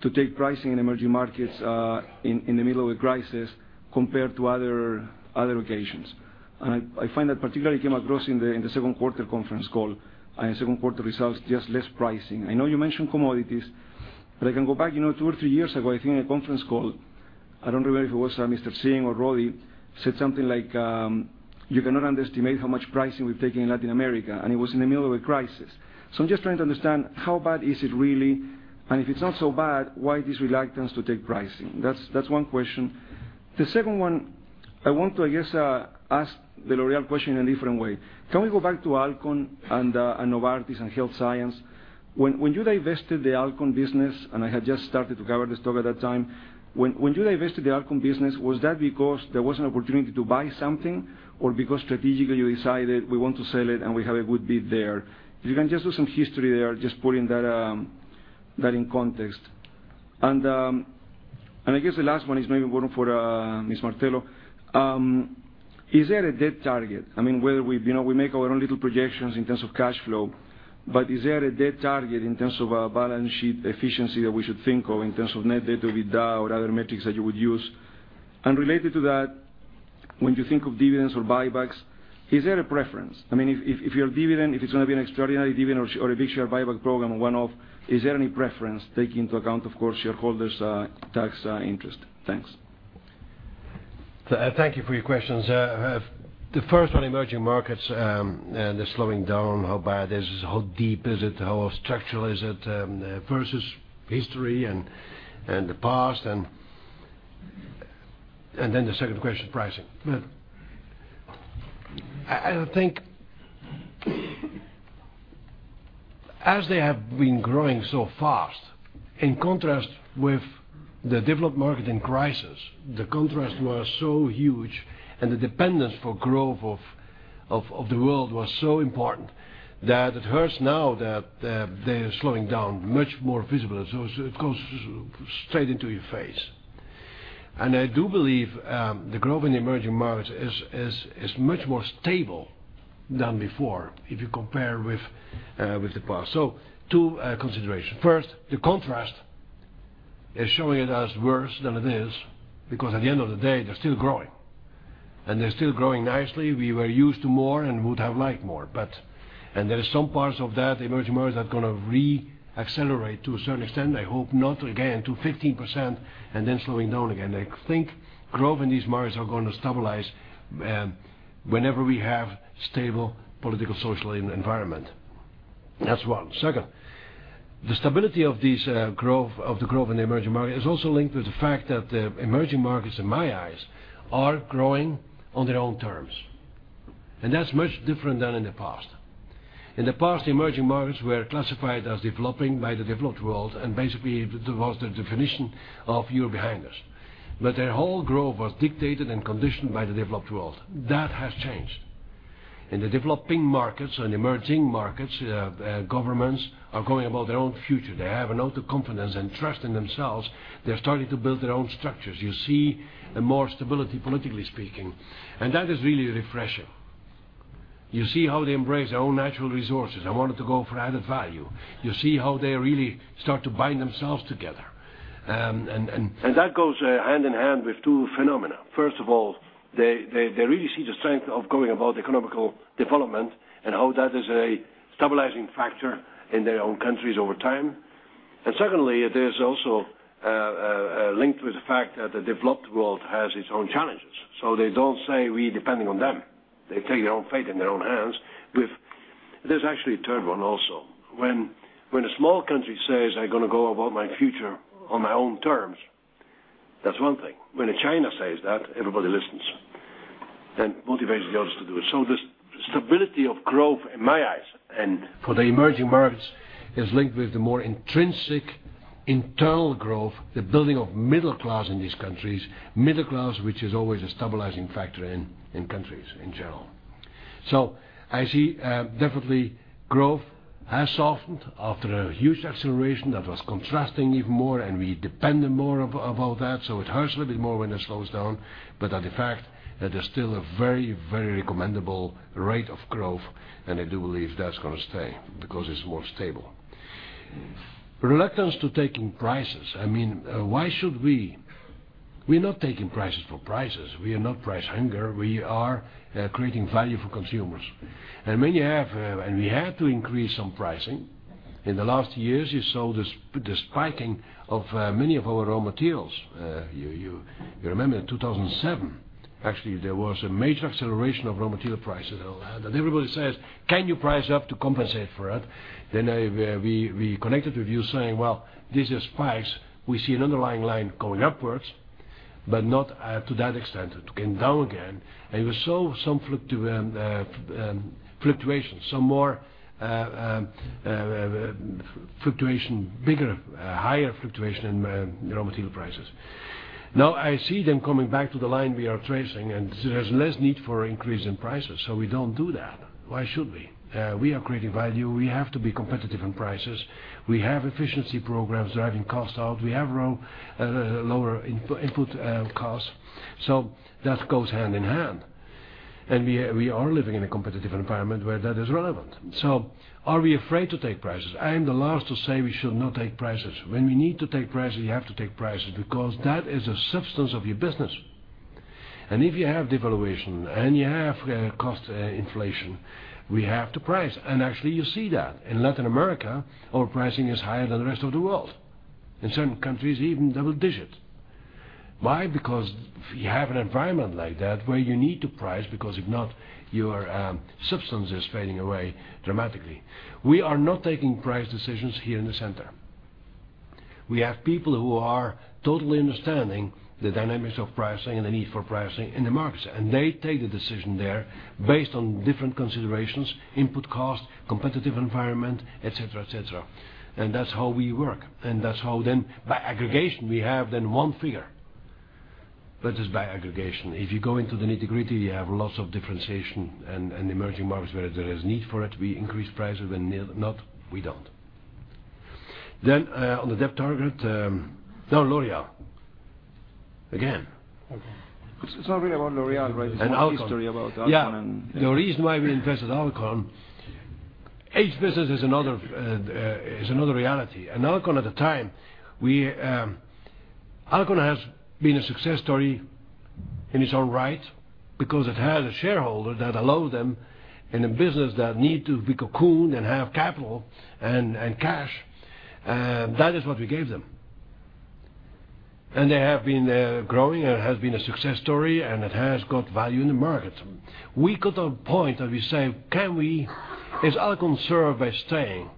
to take pricing in emerging markets in the middle of a crisis compared to other occasions. I find that particularly came across in the second quarter conference call and second quarter results, just less pricing. I know you mentioned commodities, but I can go back two or three years ago, I think in a conference call, I don't remember if it was Jim Singh or Roddy said something like, "You cannot underestimate how much pricing we've taken in Latin America," and it was in the middle of a crisis. I'm just trying to understand how bad is it really, and if it's not so bad, why this reluctance to take pricing? That's one question. The second one, I want to, I guess, ask the L'Oréal question in a different way. Can we go back to Alcon and Novartis and Health Science? When you divested the Alcon business, and I had just started to cover the stock at that time, when you divested the Alcon business, was that because there was an opportunity to buy something or because strategically you decided we want to sell it, and we have a good bid there? If you can just do some history there, just putting that in context. I guess the last one is maybe one for Ms. Martello. Is there a debt target? We make our own little projections in terms of cash flow, but is there a debt target in terms of a balance sheet efficiency that we should think of in terms of net debt to be down or other metrics that you would use? Related to that, when you think of dividends or buybacks, is there a preference? If your dividend, if it's going to be an extraordinary dividend or a big share buyback program, a one-off, is there any preference taking into account, of course, shareholders' tax interest? Thanks. Thank you for your questions. The first one, emerging markets and the slowing down, how bad it is, how deep is it, how structural is it versus history and the past, then the second question, pricing. As they have been growing so fast, in contrast with the developed market in crisis, the contrast was so huge, and the dependence for growth of the world was so important that it hurts now that they're slowing down much more visible. It goes straight into your face. I do believe the growth in the emerging markets is much more stable than before if you compare with the past. Two considerations. First, the contrast is showing it as worse than it is, because at the end of the day, they're still growing. They're still growing nicely. We were used to more and would have liked more. There is some parts of that emerging markets that are going to re-accelerate to a certain extent. I hope not again to 15% and then slowing down again. I think growth in these markets are going to stabilize whenever we have stable political, social environment. That's one. Second, the stability of the growth in the emerging market is also linked with the fact that the emerging markets, in my eyes, are growing on their own terms. That's much different than in the past. In the past, the emerging markets were classified as developing by the developed world, and basically, that was the definition of you're behind us. Their whole growth was dictated and conditioned by the developed world. That has changed. In the developing markets and emerging markets, governments are going about their own future. They have a lot of confidence and trust in themselves. They're starting to build their own structures. You see more stability politically speaking, and that is really refreshing. You see how they embrace their own natural resources and wanted to go for added value. You see how they really start to bind themselves together. That goes hand in hand with two phenomena. First of all, they really see the strength of going about economical development and how that is a stabilizing factor in their own countries over time. Secondly, there's also a link with the fact that the developed world has its own challenges. They don't say, "We're depending on them." They take their own fate in their own hands. There's actually a third one also. When a small country says, "I'm going to go about my future on my own terms," that's one thing. When China says that, everybody listens. That motivates the others to do it. The stability of growth, in my eyes, and for the emerging markets, is linked with the more intrinsic internal growth, the building of middle class in these countries. Middle class, which is always a stabilizing factor in countries in general. I see definitely growth has softened after a huge acceleration that was contrasting even more, and we depended more about that, so it hurts a little bit more when it slows down. The fact that there's still a very recommendable rate of growth, and I do believe that's going to stay because it's more stable. Reluctance to taking prices. We're not taking prices for prices. We are not price hungry. We are creating value for consumers. We had to increase some pricing. In the last years, you saw the spiking of many of our raw materials. You remember in 2007, actually, there was a major acceleration of raw material prices. Everybody says, "Can you price up to compensate for it?" We connected with you saying, "Well, these are spikes. We see an underlying line going upwards, but not to that extent. It came down again." You saw some fluctuations, some more fluctuation, bigger, higher fluctuation in raw material prices. Now, I see them coming back to the line we are tracing, and there's less need for increase in prices. We don't do that. Why should we? We are creating value. We have to be competitive in prices. We have efficiency programs driving costs out. We have lower input costs. That goes hand in hand. We are living in a competitive environment where that is relevant. Are we afraid to take prices? I'm the last to say we should not take prices. When we need to take prices, we have to take prices because that is the substance of your business. If you have devaluation and you have cost inflation, we have to price. Actually, you see that. In Latin America, our pricing is higher than the rest of the world. In certain countries, even double digits. Why? Because if you have an environment like that where you need to price, because if not, your substance is fading away dramatically. We are not taking price decisions here in the center. We have people who are totally understanding the dynamics of pricing and the need for pricing in the markets, and they take the decision there based on different considerations, input cost, competitive environment, et cetera. That's how we work. That's how then by aggregation, we have then one figure. It is by aggregation. If you go into the nitty-gritty, you have lots of differentiation and emerging markets where there is need for it, we increase prices. When not, we don't. Then on the debt target, now L'Oréal again. It's not really about L'Oréal, right? Alcon. It's more history about Alcon. Yeah. The reason why we invested Alcon, each business is another reality. Alcon at the time, Alcon has been a success story in its own right because it had a shareholder that allowed them in a business that need to be cocooned and have capital and cash. That is what we gave them. They have been growing, and it has been a success story, and it has got value in the market. We got a point that we say, is Alcon served by staying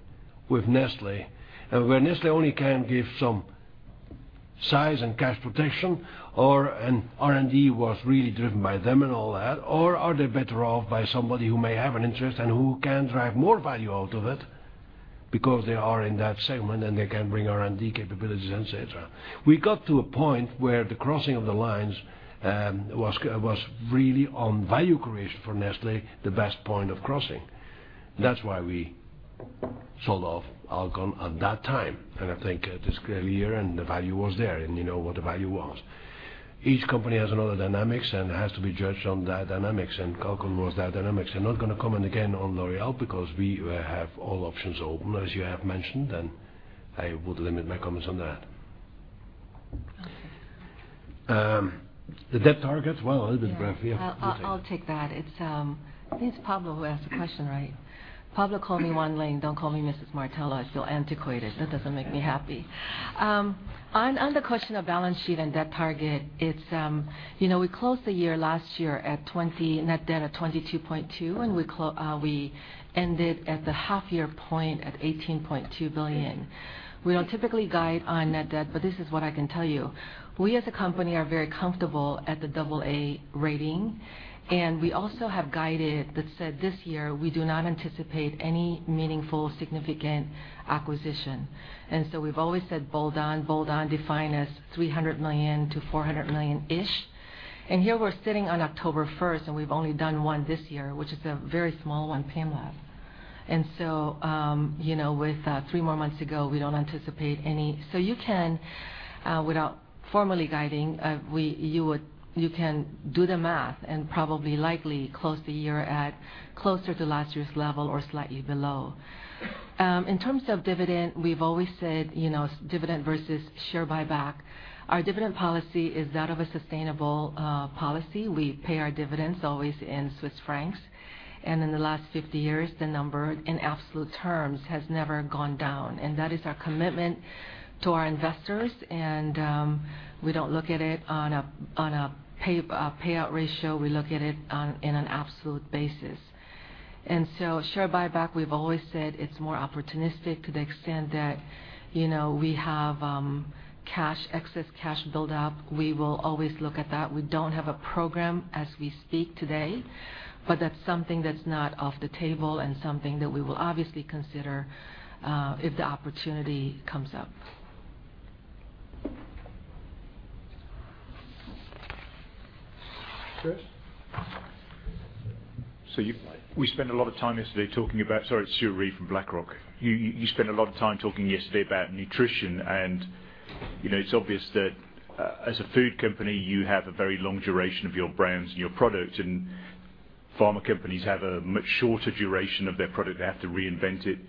with Nestlé, where Nestlé only can give some size and cash protection or R&D was really driven by them and all that, or are they better off by somebody who may have an interest and who can drive more value out of it because they are in that segment and they can bring R&D capabilities, et cetera? We got to a point where the crossing of the lines was really on value creation for Nestlé, the best point of crossing. That's why we sold off Alcon at that time. I think it is clear and the value was there, and you know what the value was. Each company has another dynamics and has to be judged on that dynamics, and Alcon was that dynamics. I'm not going to comment again on L'Oréal because we have all options open, as you have mentioned, and I would limit my comments on that. Okay. The debt targets? Well, a little bit brief. Yeah. Yeah. I'll take that. I think it's Pablo who asked the question, right? Pablo, call me Wan Ling. Don't call me Mrs. Martello. I feel antiquated. That doesn't make me happy. On the question of balance sheet and debt target, we closed the year last year at net debt of 22.2 billion, and we ended at the half year point at 18.2 billion. We don't typically guide on net debt, but this is what I can tell you. We, as a company, are very comfortable at the double A rating. We also have guided that said this year, we do not anticipate any meaningful significant acquisition. We've always said bolt-on, bolt-on defined as 300 million-400 million-ish. Here we're sitting on October 1st, and we've only done one this year, which is a very small one, Pamlab. With three more months to go, we don't anticipate any. You can, without formally guiding, you can do the math and probably likely close the year at closer to last year's level or slightly below. In terms of dividend, we've always said, dividend versus share buyback. Our dividend policy is that of a sustainable policy. We pay our dividends always in Swiss francs. In the last 50 years, the number in absolute terms has never gone down. That is our commitment to our investors. We don't look at it on a payout ratio. We look at it on an absolute basis. Share buyback, we've always said it's more opportunistic to the extent that we have excess cash build-up. We will always look at that. We don't have a program as we speak today, but that's something that's not off the table and something that we will obviously consider if the opportunity comes up. Chris? We spent a lot of time yesterday talking about Sorry, it's Hugh Reid from BlackRock. You spent a lot of time talking yesterday about nutrition, and it's obvious that as a food company, you have a very long duration of your brands and your product, and pharma companies have a much shorter duration of their product. They have to reinvent it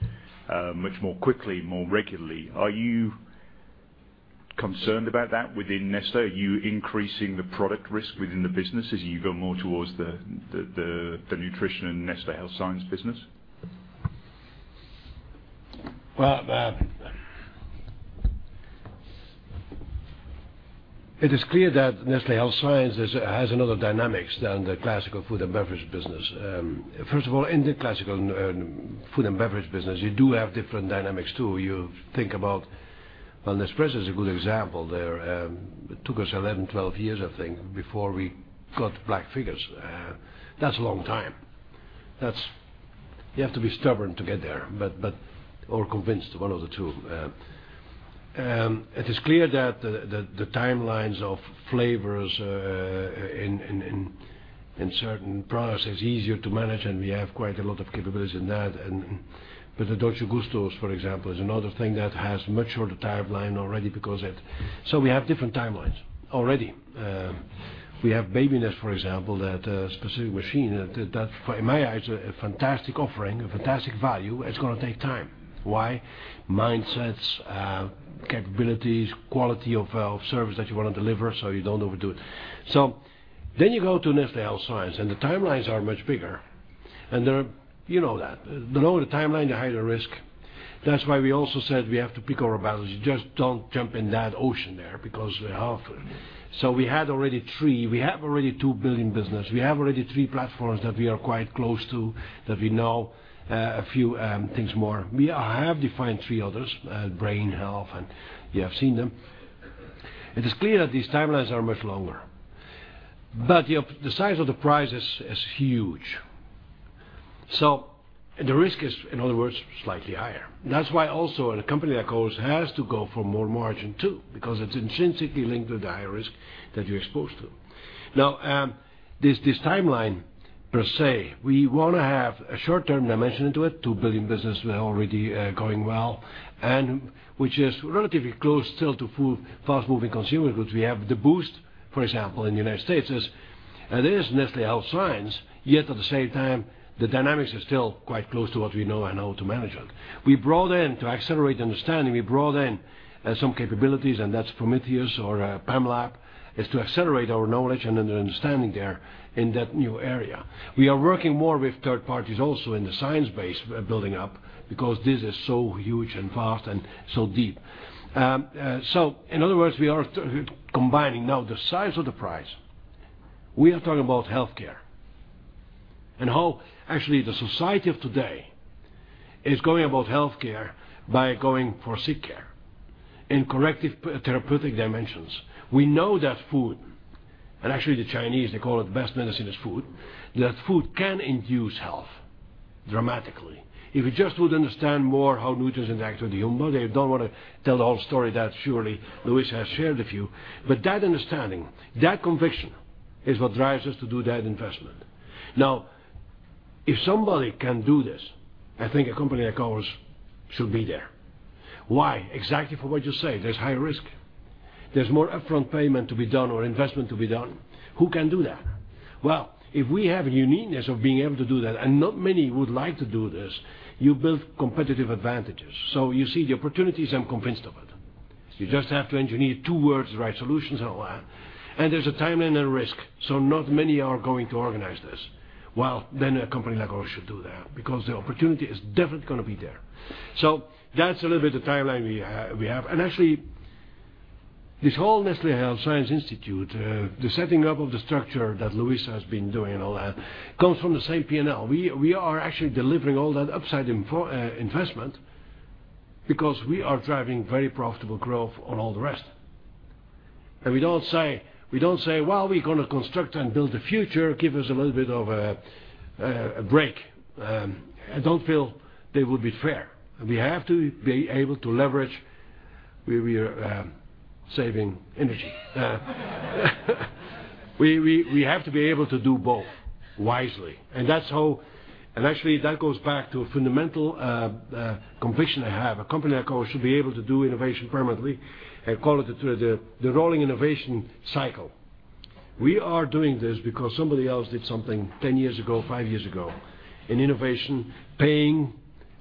much more quickly, more regularly. Are you concerned about that within Nestlé? Are you increasing the product risk within the business as you go more towards the nutrition and Nestlé Health Science business? Well, it is clear that Nestlé Health Science has another dynamics than the classical food and beverage business. First of all, in the classical food and beverage business, you do have different dynamics, too. You think about, Nespresso is a good example there. It took us 11, 12 years, I think, before we got black figures. That's a long time. You have to be stubborn to get there, Or convinced, one of the two. It is clear that the timelines of flavors in certain products is easier to manage, and we have quite a lot of capabilities in that. But the Dolce Gustos, for example, is another thing that has much shorter timeline already because we have different timelines already. We have BabyNes, for example, that specific machine that in my eyes a fantastic offering, a fantastic value. It's going to take time. Why? Mindsets, capabilities, quality of service that you want to deliver so you don't overdo it. You go to Nestlé Health Science and the timelines are much bigger. They're, you know that. The longer the timeline, the higher the risk. That's why we also said we have to pick our battles. You just don't jump in that ocean there because we have we have already 2 billion business. We have already three platforms that we are quite close to, that we know a few things more. We have defined three others, brain health, and you have seen them. It is clear that these timelines are much longer. The size of the prize is huge. The risk is, in other words, slightly higher. That's why also a company like ours has to go for more margin, too, because it's intrinsically linked to the higher risk that you're exposed to. This timeline per se, we want to have a short-term dimension to it, 2 billion business we're already going well, and which is relatively close still to fast-moving consumer goods. We have the BOOST, for example, in the U.S. It is Nestlé Health Science, yet at the same time, the dynamics are still quite close to what we know and how to manage it. We brought in to accelerate understanding, we brought in some capabilities, and that's Prometheus or Pamlab, is to accelerate our knowledge and understanding there in that new area. We are working more with third parties also in the science base building up because this is so huge and vast and so deep. In other words, we are combining now the size of the price. We are talking about healthcare. How actually the society of today is going about healthcare by going for sick care in corrective therapeutic dimensions. We know that food, and actually the Chinese, they call it the best medicine is food, that food can induce health dramatically. If we just would understand more how nutrients interact with the human body. I don't want to tell the whole story that surely Luis has shared with you, but that understanding, that conviction, is what drives us to do that investment. If somebody can do this, I think a company like ours should be there. Why? Exactly for what you say. There's high risk. There's more upfront payment to be done or investment to be done. Who can do that? If we have a uniqueness of being able to do that, and not many would like to do this, you build competitive advantages. You see the opportunities, I'm convinced of it. You just have to engineer two words, the right solutions, and all that. There's a timeline and risk, not many are going to organize this. Then a company like ours should do that because the opportunity is definitely going to be there. That's a little bit the timeline we have. Actually, this whole Nestlé Health Science Institute, the setting up of the structure that Luis has been doing and all that, comes from the same P&L. We are actually delivering all that upside investment because we are driving very profitable growth on all the rest. We don't say, "We're going to construct and build the future, give us a little bit of a break." I don't feel that would be fair. We have to be able to leverage where we are saving energy. We have to be able to do both wisely. Actually, that goes back to a fundamental conviction I have. A company like ours should be able to do innovation permanently. I call it the rolling innovation cycle. We are doing this because somebody else did something 10 years ago, five years ago, in innovation, paying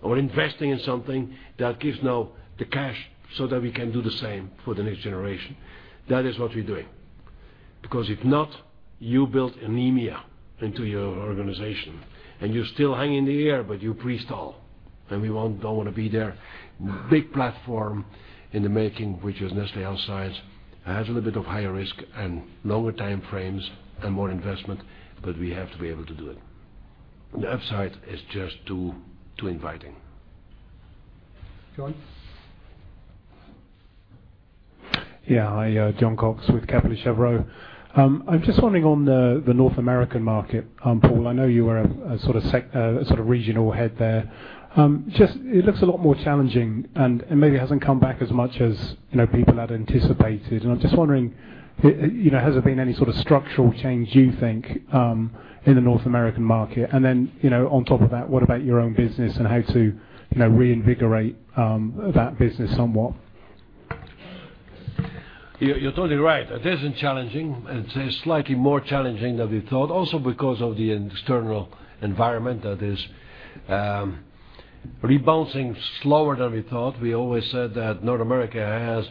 or investing in something that gives now the cash so that we can do the same for the next generation. That is what we're doing. If not, you build anemia into your organization, and you still hang in the air, but you pre-stall, and we don't want to be there. Big platform in the making, which is Nestlé Health Science, has a little bit of higher risk and longer time frames and more investment. We have to be able to do it. The upside is just too inviting. Jon? Yeah. Hi, Jon Cox with Kepler Cheuvreux. I'm just wondering on the North American market, Paul, I know you were a sort of regional head there. It looks a lot more challenging, and maybe it hasn't come back as much as people had anticipated. I'm just wondering, has there been any sort of structural change you think in the North American market? On top of that, what about your own business and how to reinvigorate that business somewhat? You're totally right. It isn't challenging. It's slightly more challenging than we thought. Because of the external environment that is rebounding slower than we thought. We always said that North America has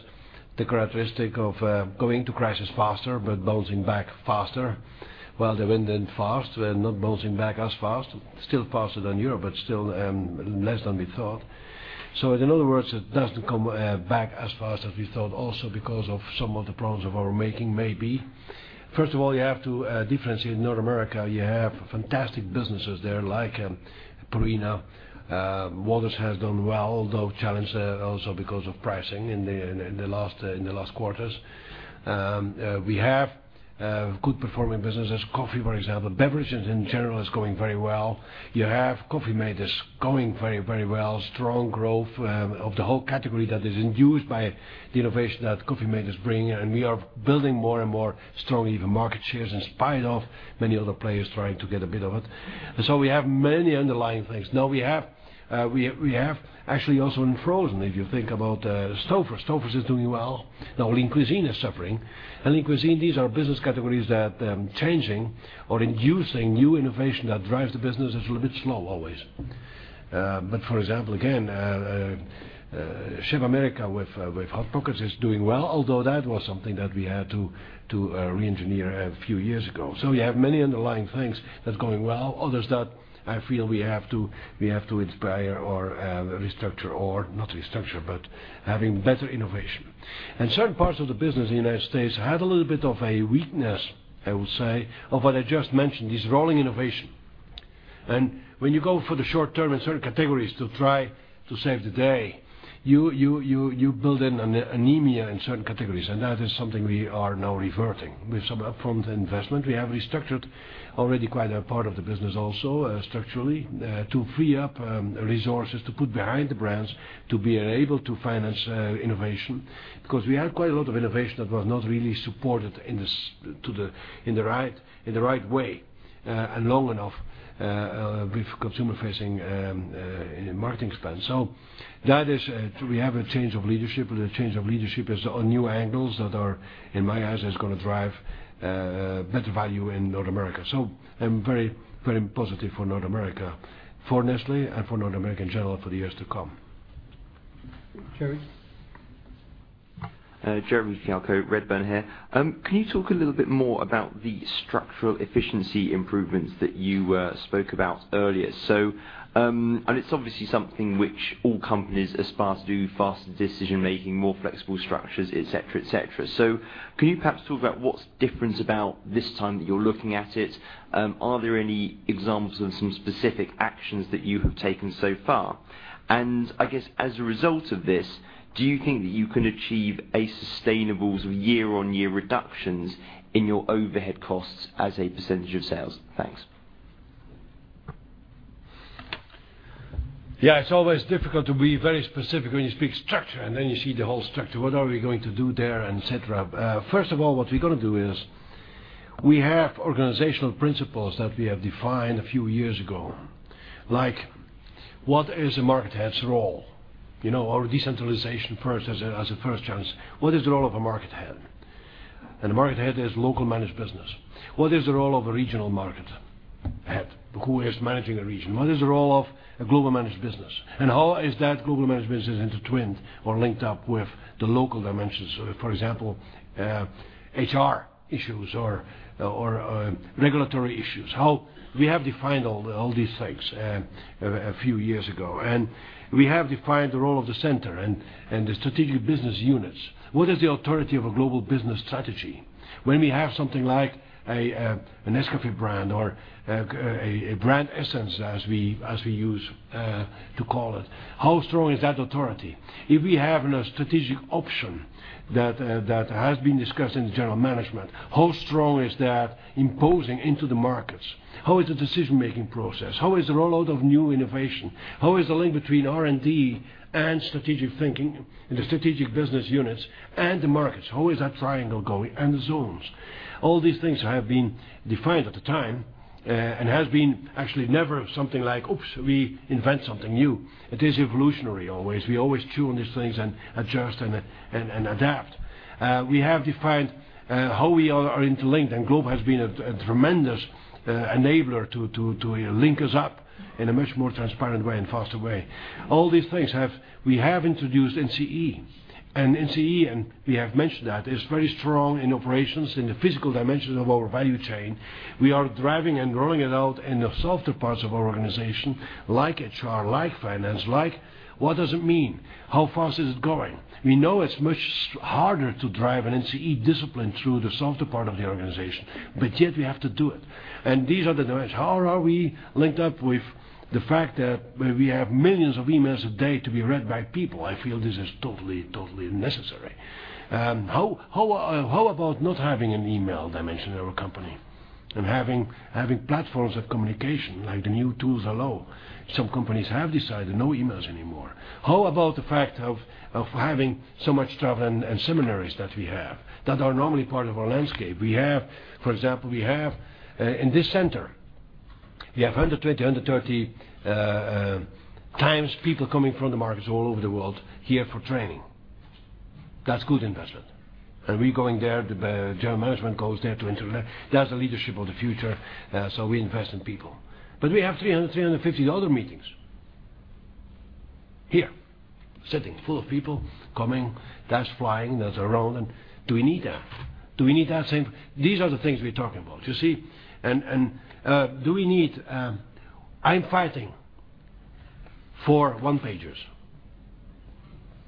the characteristic of going to crisis faster, but bouncing back faster. Well, they went in fast. We're not bouncing back as fast. Still faster than Europe, but still less than we thought. In other words, it doesn't come back as fast as we thought. Because of some of the problems of our making, maybe. First of all, you have two differences in North America. You have fantastic businesses there, like Purina. Waters has done well, although challenged also because of pricing in the last quarters. We have good performing businesses, coffee, for example. Beverages in general is going very well. You have Coffee mate is going very well, strong growth of the whole category that is induced by the innovation that Coffee mate is bringing, and we are building more and more strong even market shares in spite of many other players trying to get a bit of it. We have many underlying things. We have actually also in frozen, if you think about Stouffer's. Stouffer's is doing well. Lean Cuisine is suffering. Lean Cuisine, these are business categories that changing or inducing new innovation that drives the business is a little bit slow always. For example, again, Chef America with Hot Pockets is doing well, although that was something that we had to re-engineer a few years ago. You have many underlying things that's going well. Others that I feel we have to inspire or restructure or, not restructure, but having better innovation. Certain parts of the business in the U.S. had a little bit of a weakness, I would say, of what I just mentioned, this rolling innovation. When you go for the short term in certain categories to try to save the day, you build in an anemia in certain categories. That is something we are now reverting with some upfront investment. We have restructured already quite a part of the business also structurally, to free up resources to put behind the brands, to be able to finance innovation. Because we had quite a lot of innovation that was not really supported in the right way and long enough with consumer-facing marketing spend. We have a change of leadership, the change of leadership is on new angles that are, in my eyes, is going to drive better value in North America. I'm very positive for North America, for Nestlé, and for North America in general for the years to come. Jerry? Jeremy Fialko, Redburn here. Can you talk a little bit more about the structural efficiency improvements that you spoke about earlier? It's obviously something which all companies aspire to do, faster decision-making, more flexible structures, et cetera. Can you perhaps talk about what's different about this time that you're looking at it? Are there any examples of some specific actions that you have taken so far? I guess as a result of this, do you think that you can achieve a sustainable year-on-year reductions in your overhead costs as a percentage of sales? Thanks. It's always difficult to be very specific when you speak structure, then you see the whole structure, what are we going to do there, et cetera. First of all, what we're going to do is, we have organizational principles that we have defined a few years ago, like what is a market head's role? Our decentralization as a first chance. What is the role of a market head? The market head is local managed business. What is the role of a regional market head who is managing a region? What is the role of a global managed business? How is that global managed business intertwined or linked up with the local dimensions? For example, HR issues or regulatory issues. We have defined all these things a few years ago, we have defined the role of the center and the strategic business units. What is the authority of a global business strategy? When we have something like a Nescafé brand or a brand essence, as we use to call it, how strong is that authority? If we have a strategic option that has been discussed in the general management, how strong is that imposing into the markets? How is the decision-making process? How is the rollout of new innovation? How is the link between R&D and strategic thinking in the strategic business units and the markets? How is that triangle going and the zones? All these things have been defined at the time, and has been actually never something like, "Oops, we invent something new." It is evolutionary always. We always tune these things and adjust and adapt. We have defined how we are interlinked, global has been a tremendous enabler to link us up in a much more transparent way and faster way. We have introduced NCE, and we have mentioned that, is very strong in operations in the physical dimensions of our value chain. We are driving and rolling it out in the softer parts of our organization, like HR, like finance. What does it mean? How fast is it going? We know it's much harder to drive an NCE discipline through the softer part of the organization, but yet we have to do it. These are the dimensions. How are we linked up with the fact that we have millions of emails a day to be read by people? I feel this is totally necessary. How about not having an email dimension in our company and having platforms of communication like the new tools allow? Some companies have decided no emails anymore. How about the fact of having so much travel and seminars that we have that are normally part of our landscape? For example, we have in this center, we have 120, 130 times people coming from the markets all over the world here for training. That's good investment. We're going there, the general management goes there to interact. That's the leadership of the future, so we invest in people. We have 300, 350 other meetings here, sitting full of people coming, that's flying, that's around, and do we need that? These are the things we're talking about. You see? I'm fighting for one-pagers,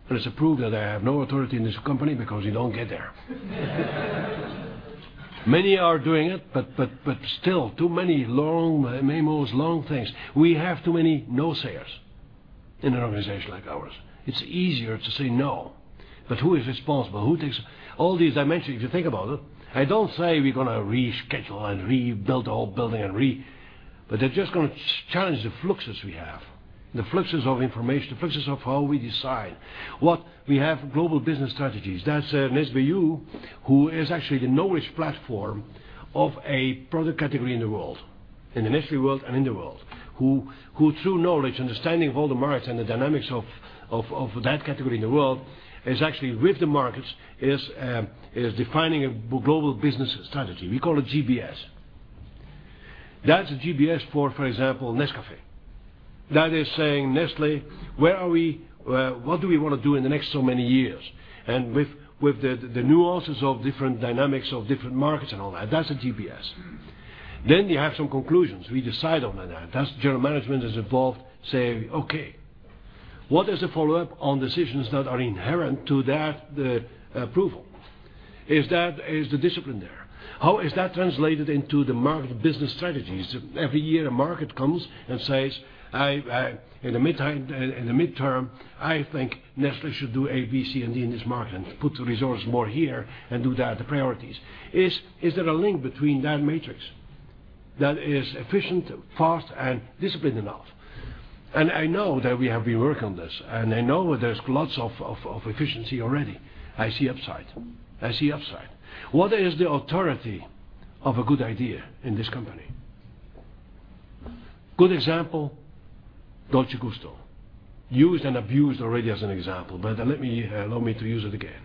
and it's approved that I have no authority in this company because you don't get there. Many are doing it, still too many long memos, long things. We have too many no-sayers in an organization like ours. It's easier to say no, who is responsible? Who takes all these dimensions? If you think about it, I don't say we're going to reschedule and rebuild the whole building and they're just going to challenge the fluxes we have, the fluxes of information, the fluxes of how we decide. We have global business strategies, that is an SBU who is actually the knowledge platform of a product category in the world, in the Nestlé world and in the world, who through knowledge, understanding of all the markets and the dynamics of that category in the world, is actually with the markets, is defining a global business strategy. We call it GBS. That is a GBS for example, Nescafé. That is saying, "Nestlé, what do we want to do in the next so many years?" With the nuances of different dynamics of different markets and all that is a GBS. You have some conclusions. We decide on that. General management is involved saying, "Okay, what is the follow-up on decisions that are inherent to that approval? Is the discipline there? How is that translated into the market business strategies?" Every year, a market comes and says, "In the midterm, I think Nestlé should do A, B, C, and D in this market and put the resources more here and do that, the priorities." Is there a link between that matrix that is efficient, fast, and disciplined enough? I know that we have been working on this, and I know there is lots of efficiency already. I see upside. What is the authority of a good idea in this company? Good example, Dolce Gusto. Used and abused already as an example, but allow me to use it again.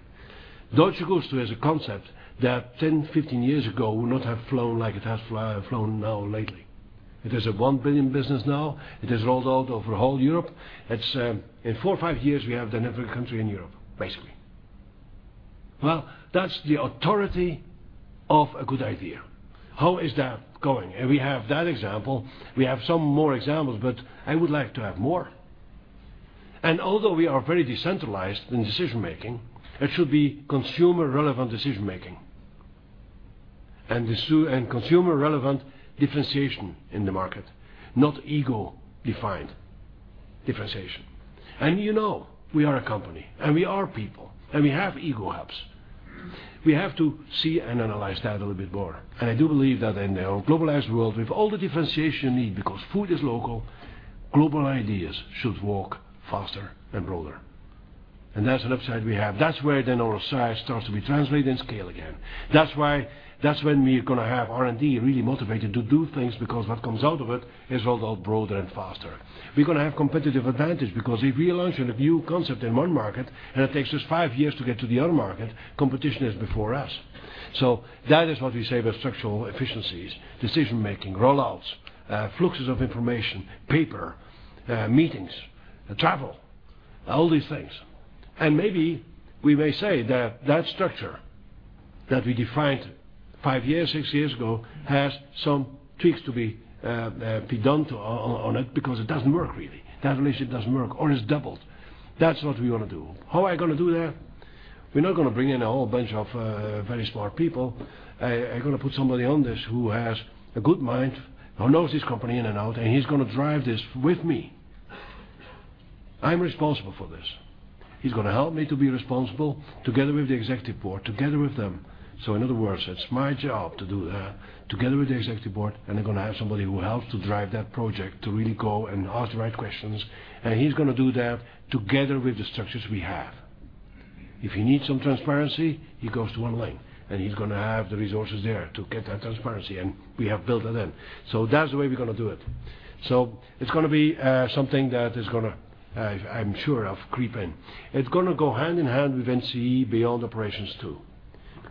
Dolce Gusto is a concept that 10, 15 years ago would not have flown like it has flown now lately. It is a 1 billion business now. It has rolled out over whole Europe. In four or five years, we have been in every country in Europe, basically. That is the authority of a good idea. How is that going? We have that example. We have some more examples, but I would like to have more. Although we are very decentralized in decision-making, it should be consumer-relevant decision-making and consumer-relevant differentiation in the market, not ego-defined differentiation. You know we are a company, and we are people, and we have ego hubs. We have to see and analyze that a little bit more. I do believe that in a globalized world, with all the differentiation needed because food is local, global ideas should walk faster and broader. That is an upside we have. That is where then our size starts to be translated in scale again. That is when we are going to have R&D really motivated to do things, because what comes out of it is rolled out broader and faster. We are going to have competitive advantage because if we launch a new concept in one market, and it takes us five years to get to the other market, competition is before us. That is what we say about structural efficiencies, decision-making, roll-outs, fluxes of information, paper, meetings, travel, all these things. Maybe we may say that that structure that we defined five years, six years ago, has some tweaks to be done on it because it does not work, really. That relationship does not work or is doubled. That is what we want to do. How are we going to do that? We are not going to bring in a whole bunch of very smart people. I'm going to put somebody on this who has a good mind, who knows this company in and out. He's going to drive this with me. I'm responsible for this. He's going to help me to be responsible together with the executive board, together with them. In other words, that's my job to do that together with the executive board. I'm going to have somebody who helps to drive that project, to really go and ask the right questions. He's going to do that together with the structures we have. If he needs some transparency, he goes to Wan Ling. He's going to have the resources there to get that transparency. We have built that in. That's the way we're going to do it. It's going to be something that is going to, I'm sure, creep in. It's going to go hand in hand with NCE beyond operations, too.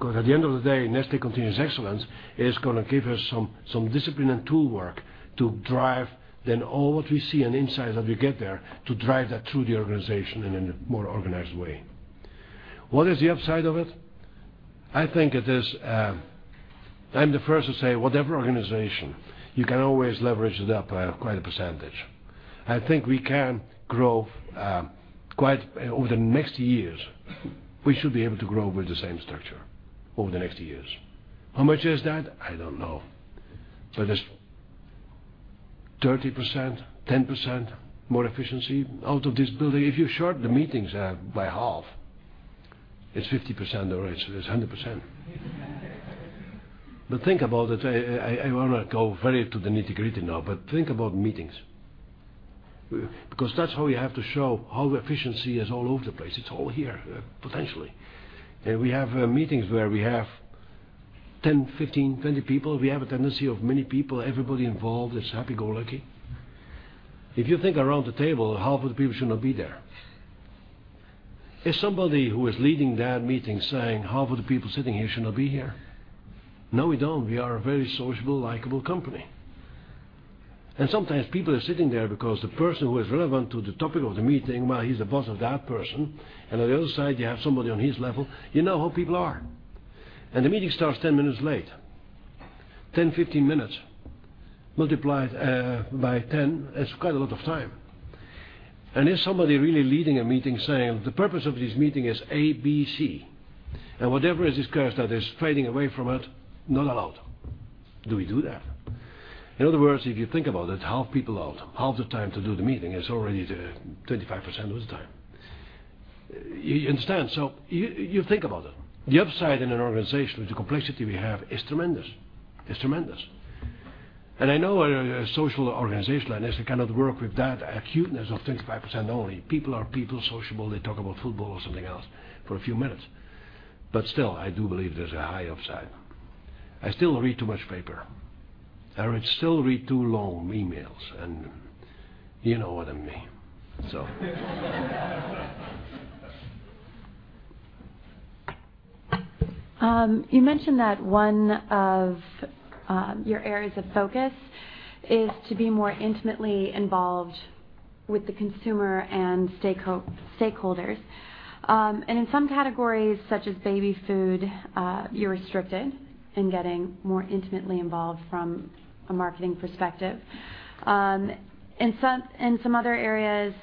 At the end of the day, Nestlé Continuous Excellence is going to give us some discipline and tool work to drive then all what we see and insights that we get there to drive that through the organization and in a more organized way. What is the upside of it? I think it is, I'm the first to say, whatever organization, you can always leverage it up by quite a percentage. I think we can grow quite over the next years. We should be able to grow with the same structure over the next years. How much is that? I don't know. It's 30%, 10% more efficiency out of this building. If you shorten the meetings by half, it's 50% already, so it's 100%. Think about it. I want to go very to the nitty-gritty now, but think about meetings, because that's how you have to show how efficiency is all over the place. It's all here, potentially. We have meetings where we have 10, 15, 20 people. We have a tendency of many people, everybody involved, it's happy-go-lucky. If you think around the table, half of the people should not be there. Is somebody who is leading that meeting saying half of the people sitting here should not be here? No, we don't. We are a very sociable, likable company. Sometimes people are sitting there because the person who is relevant to the topic of the meeting, well, he's the boss of that person, and on the other side, you have somebody on his level. You know how people are. The meeting starts 10 minutes late. Ten, 15 minutes multiplied by 10 is quite a lot of time. Is somebody really leading a meeting saying, "The purpose of this meeting is A, B, C, and whatever is discussed that is trading away from it, not allowed." Do we do that? In other words, if you think about it, half the people out, half the time to do the meeting, it's already 25% of the time. You understand? You think about it. The upside in an organization with the complexity we have is tremendous. It's tremendous. I know a social organization like Nestlé cannot work with that acuteness of 25% only. People are people, sociable, they talk about football or something else for a few minutes. Still, I do believe there's a high upside. I still read too much paper. I still read too long emails, you know what I mean. You mentioned that one of your areas of focus is to be more intimately involved with the consumer and stakeholders. In some categories, such as baby food, you're restricted in getting more intimately involved from a marketing perspective. In some other areas,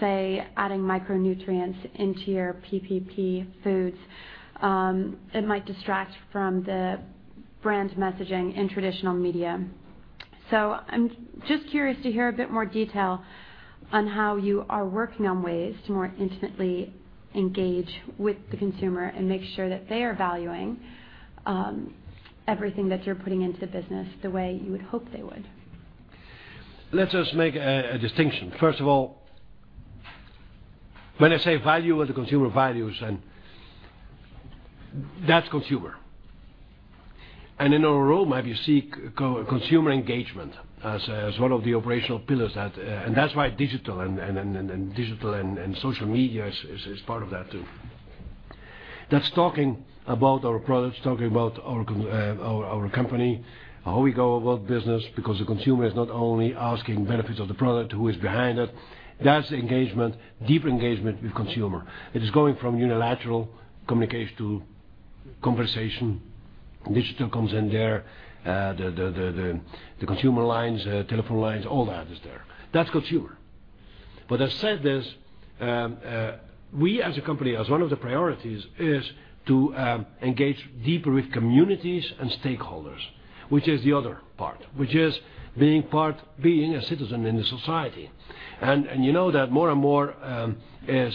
say, adding micronutrients into your PPP foods, it might distract from the brand messaging in traditional media. I'm just curious to hear a bit more detail on how you are working on ways to more intimately engage with the consumer and make sure that they are valuing everything that you're putting into the business the way you would hope they would. Let us make a distinction. First of all, when I say value what the consumer values, and that's consumer. In our roadmap, you see consumer engagement as one of the operational pillars, and that's why digital and social media is part of that, too. That's talking about our products, talking about our company, how we go about business, because the consumer is not only asking benefits of the product, who is behind it. That's engagement, deep engagement with consumer. It is going from unilateral communication to conversation. Digital comes in there. The consumer lines, telephone lines, all that is there. That's consumer. I said this, we as a company, as one of the priorities, is to engage deeper with communities and stakeholders, which is the other part, which is being a citizen in the society. You know that more and more as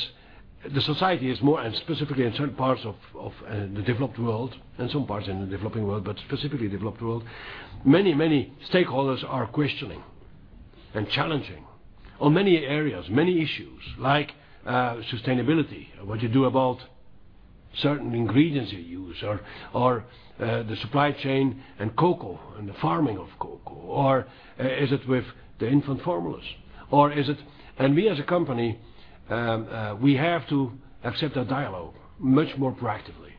the society is more, and specifically in certain parts of the developed world, and some parts in the developing world, but specifically developed world, many, many stakeholders are questioning and challenging on many areas, many issues like sustainability, what you do about certain ingredients you use or the supply chain and cocoa and the farming of cocoa, or is it with the infant formulas? We as a company, we have to accept that dialogue much more proactively.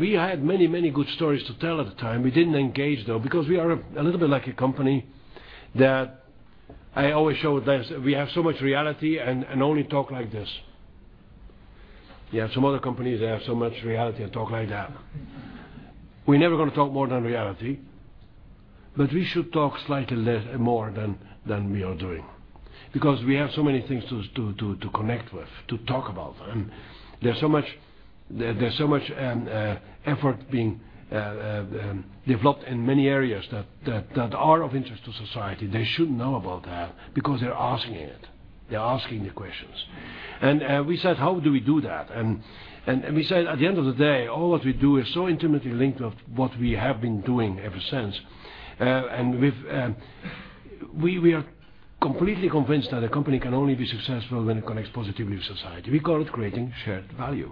We had many, many good stories to tell at the time. We didn't engage, though, because we are a little bit like a company that I always show this. We have so much reality and only talk like this. You have some other companies that have so much reality and talk like that. We're never going to talk more than reality, but we should talk slightly more than we are doing because we have so many things to connect with, to talk about, there's so much effort being developed in many areas that are of interest to society. They should know about that because they're asking it. They're asking the questions. We said, "How do we do that?" We said, at the end of the day, all what we do is so intimately linked of what we have been doing ever since. We are completely convinced that a company can only be successful when it connects positively with society. We call it Creating Shared Value,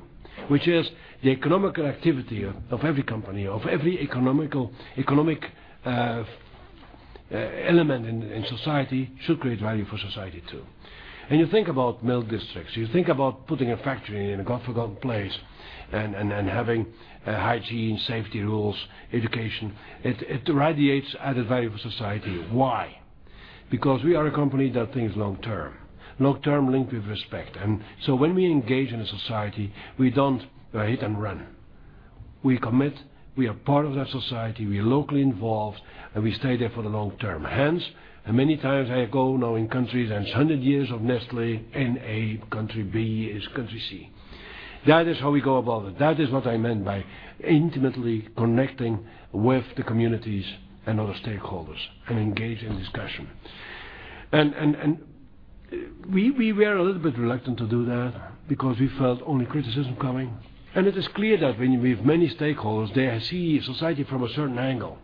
which is the economic activity of every company, of every economic element in society should create value for society, too. When you think about milk districts, you think about putting a factory in a God-forgotten place and having hygiene, safety rules, education, it radiates added value for society. Why? Because we are a company that thinks long term, long term linked with respect. When we engage in a society, we don't hit and run. We commit, we are part of that society, we are locally involved, we stay there for the long term. Hence, many times I go now in countries, it's 100 years of Nestlé in a country B, as country C. That is how we go about it. That is what I meant by intimately connecting with the communities and other stakeholders and engage in discussion. We are a little bit reluctant to do that because we felt only criticism coming. It is clear that when we have many stakeholders, they see society from a certain angle,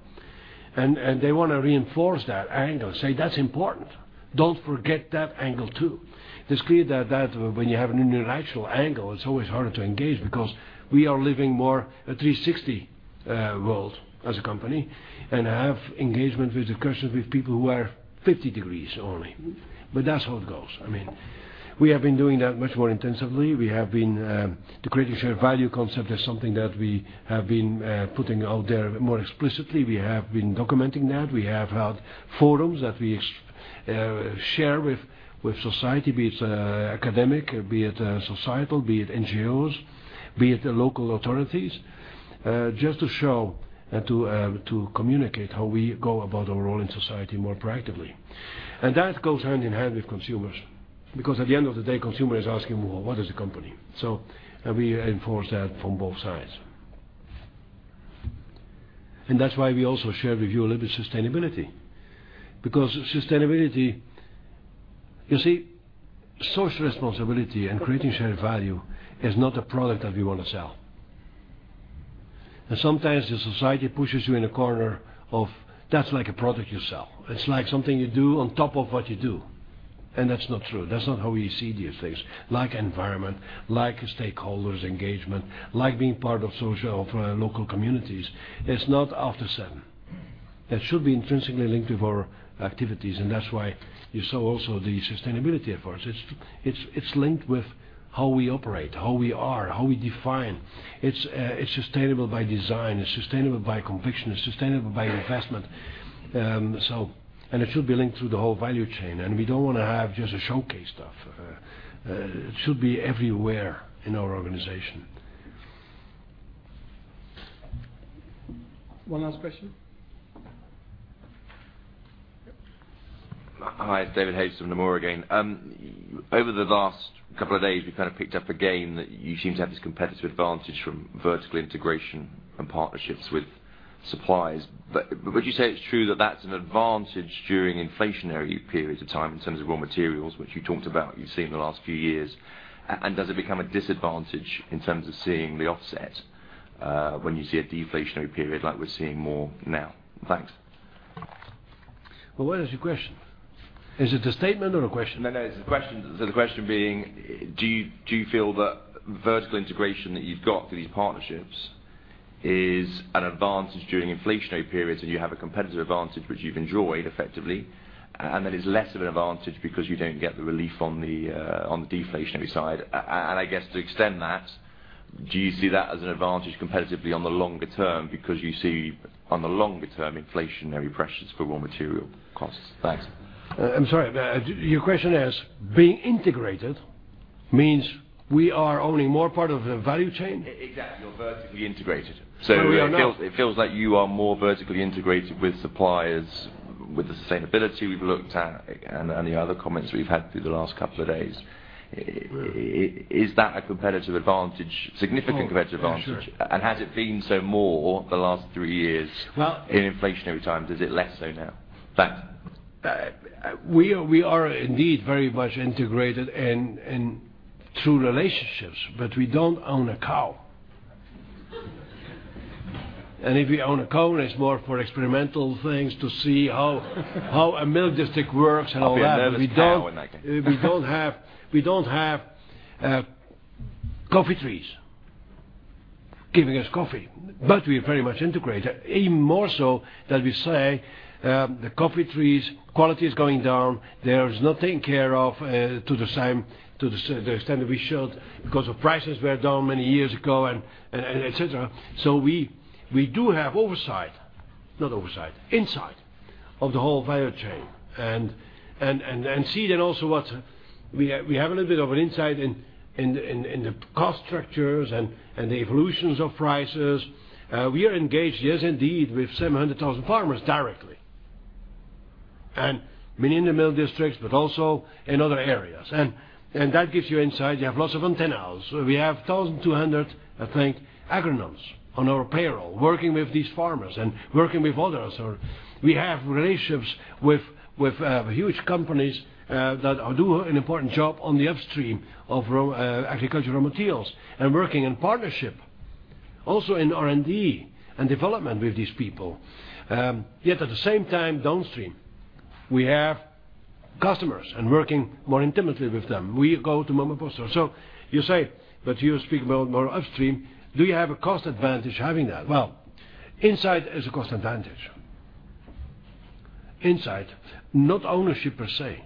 they want to reinforce that angle, say, "That's important. Don't forget that angle, too." It's clear that when you have an unilateral angle, it's always harder to engage because we are living more a 360 world as a company and have engagement with the customers, with people who are 50 degrees only. That's how it goes. We have been doing that much more intensively. The Creating Shared Value concept is something that we have been putting out there more explicitly. We have been documenting that. We have had forums that we share with society, be it academic, be it societal, be it NGOs, be it the local authorities, just to show and to communicate how we go about our role in society more proactively. That goes hand in hand with consumers, because at the end of the day, consumer is asking, "Well, what is the company?" We enforce that from both sides. That's why we also share with you a little bit sustainability, because sustainability-- you see, social responsibility and Creating Shared Value is not a product that we want to sell. Sometimes the society pushes you in a corner of that's like a product you sell. It's like something you do on top of what you do. That's not true. That's not how we see these things like environment, like stakeholders engagement, like being part of social, of local communities. It's not after certain. It should be intrinsically linked with our activities, that's why you saw also the sustainability efforts. It's linked with how we operate, how we are, how we define. It's sustainable by design, it's sustainable by conviction, it's sustainable by investment. It should be linked through the whole value chain, we don't want to have just a showcase stuff. It should be everywhere in our organization. One last question. Hi, it's David Hayes from Nomura again. Over the last couple of days, we've kind of picked up again that you seem to have this competitive advantage from vertical integration and partnerships with suppliers. Would you say it's true that that's an advantage during inflationary periods of time in terms of raw materials, which you talked about you've seen in the last few years? Does it become a disadvantage in terms of seeing the offset when you see a deflationary period like we're seeing more now? Thanks. Well, what is your question? Is it a statement or a question? No, no, it's a question. The question being, do you feel that vertical integration that you've got through these partnerships is an advantage during inflationary periods, and you have a competitive advantage that you've enjoyed effectively, and that is less of an advantage because you don't get the relief on the deflationary side. I guess to extend that, do you see that as an advantage competitively on the longer term because you see on the longer term inflationary pressures for raw material costs? Thanks. I'm sorry. Your question is, being integrated means we are owning more part of the value chain? Exactly. You're vertically integrated. No, we are not. It feels like you are more vertically integrated with suppliers, with the sustainability we've looked at, and the other comments we've had through the last couple of days. Right. Is that a significant competitive advantage? Sure. Has it been so more the last three years? Well- In inflationary times? Is it less so now? Thanks. We are indeed very much integrated through relationships, we don't own a cow. If we own a cow, it is more for experimental things to see how a milk district works and all that. I'll be a nervous cow when I can. We don't have coffee trees giving us coffee, we are very much integrated. Even more so that we say, the coffee trees quality is going down. They are not taken care of to the extent that we should because the prices were down many years ago, et cetera. We do have oversight, not oversight, insight of the whole value chain and see then also what we have a little bit of an insight in the cost structures and the evolutions of prices. We are engaged, yes indeed, with 700,000 farmers directly, and many in the milk districts, but also in other areas. That gives you insight. You have lots of antennas. We have 1,200, I think, agronomes on our payroll working with these farmers and working with others, or we have relationships with huge companies that do an important job on the upstream of agricultural materials and working in partnership also in R&D and development with these people. Yet at the same time, downstream, we have customers and working more intimately with them. We go to mom and pop store. You say, but you speak about more upstream. Do you have a cost advantage having that? Insight is a cost advantage. Insight, not ownership per se,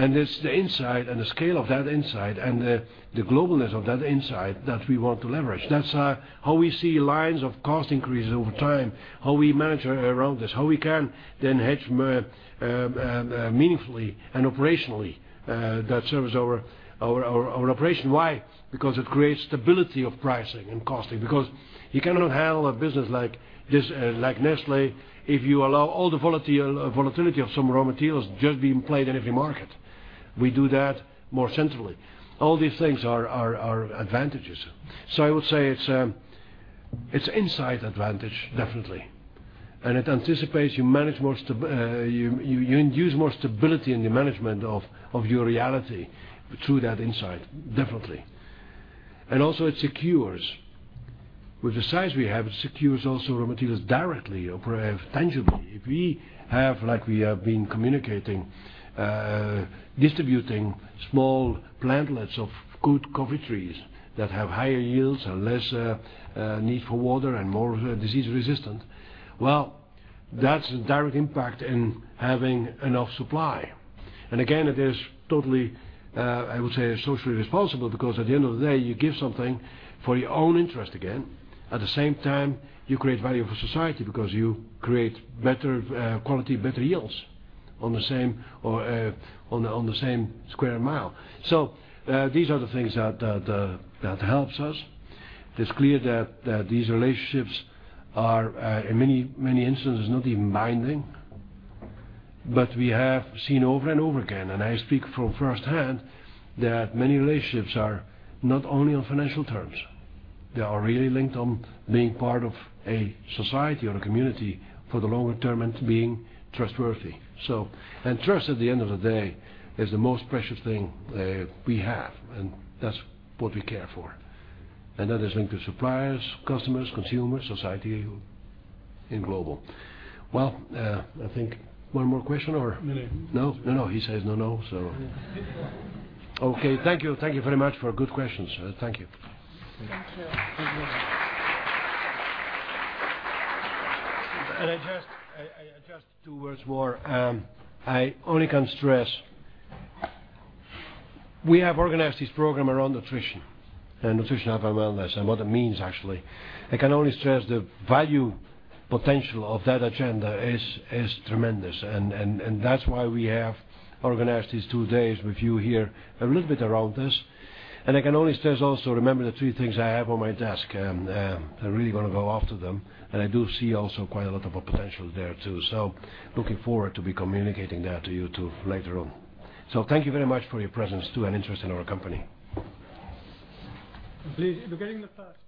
it's the insight and the scale of that insight and the globalness of that insight that we want to leverage. That's how we see lines of cost increases over time, how we manage around this, how we can then hedge meaningfully and operationally that serves our operation. Why? It creates stability of pricing and costing. You cannot handle a business like Nestlé if you allow all the volatility of some raw materials just being played in every market. We do that more centrally. All these things are our advantages. I would say it's insight advantage, definitely. It anticipates you induce more stability in the management of your reality through that insight, definitely. It also secures. With the size we have, it secures also raw materials directly or tangibly. If we have, like we have been communicating, distributing small plantlets of good coffee trees that have higher yields and less need for water and more disease resistant, well, that's a direct impact in having enough supply. It is totally, I would say socially responsible because at the end of the day, you give something for your own interest again. At the same time, you create value for society because you create better quality, better yields on the same square mile. These are the things that helps us. It's clear that these relationships are, in many instances, not even binding. We have seen over and over again, and I speak from firsthand, that many relationships are not only on financial terms, they are really linked on being part of a society or a community for the longer term and being trustworthy. Trust at the end of the day is the most precious thing that we have, and that's what we care for. That is linked to suppliers, customers, consumers, society, and global. Well, I think one more question or No. No? No. He says no. Okay. Thank you. Thank you very much for good questions. Thank you. Thank you. Just two words more. I only can stress we have organized this program around nutrition and nutrition of our wellness and what it means actually. I can only stress the value potential of that agenda is tremendous, and that's why we have organized these two days with you here a little bit around this. I can only stress also remember the three things I have on my desk, and I'm really going to go after them, and I do see also quite a lot of potential there, too. Looking forward to be communicating that to you, too, later on. Thank you very much for your presence, too, and interest in our company. Please, we're getting the first part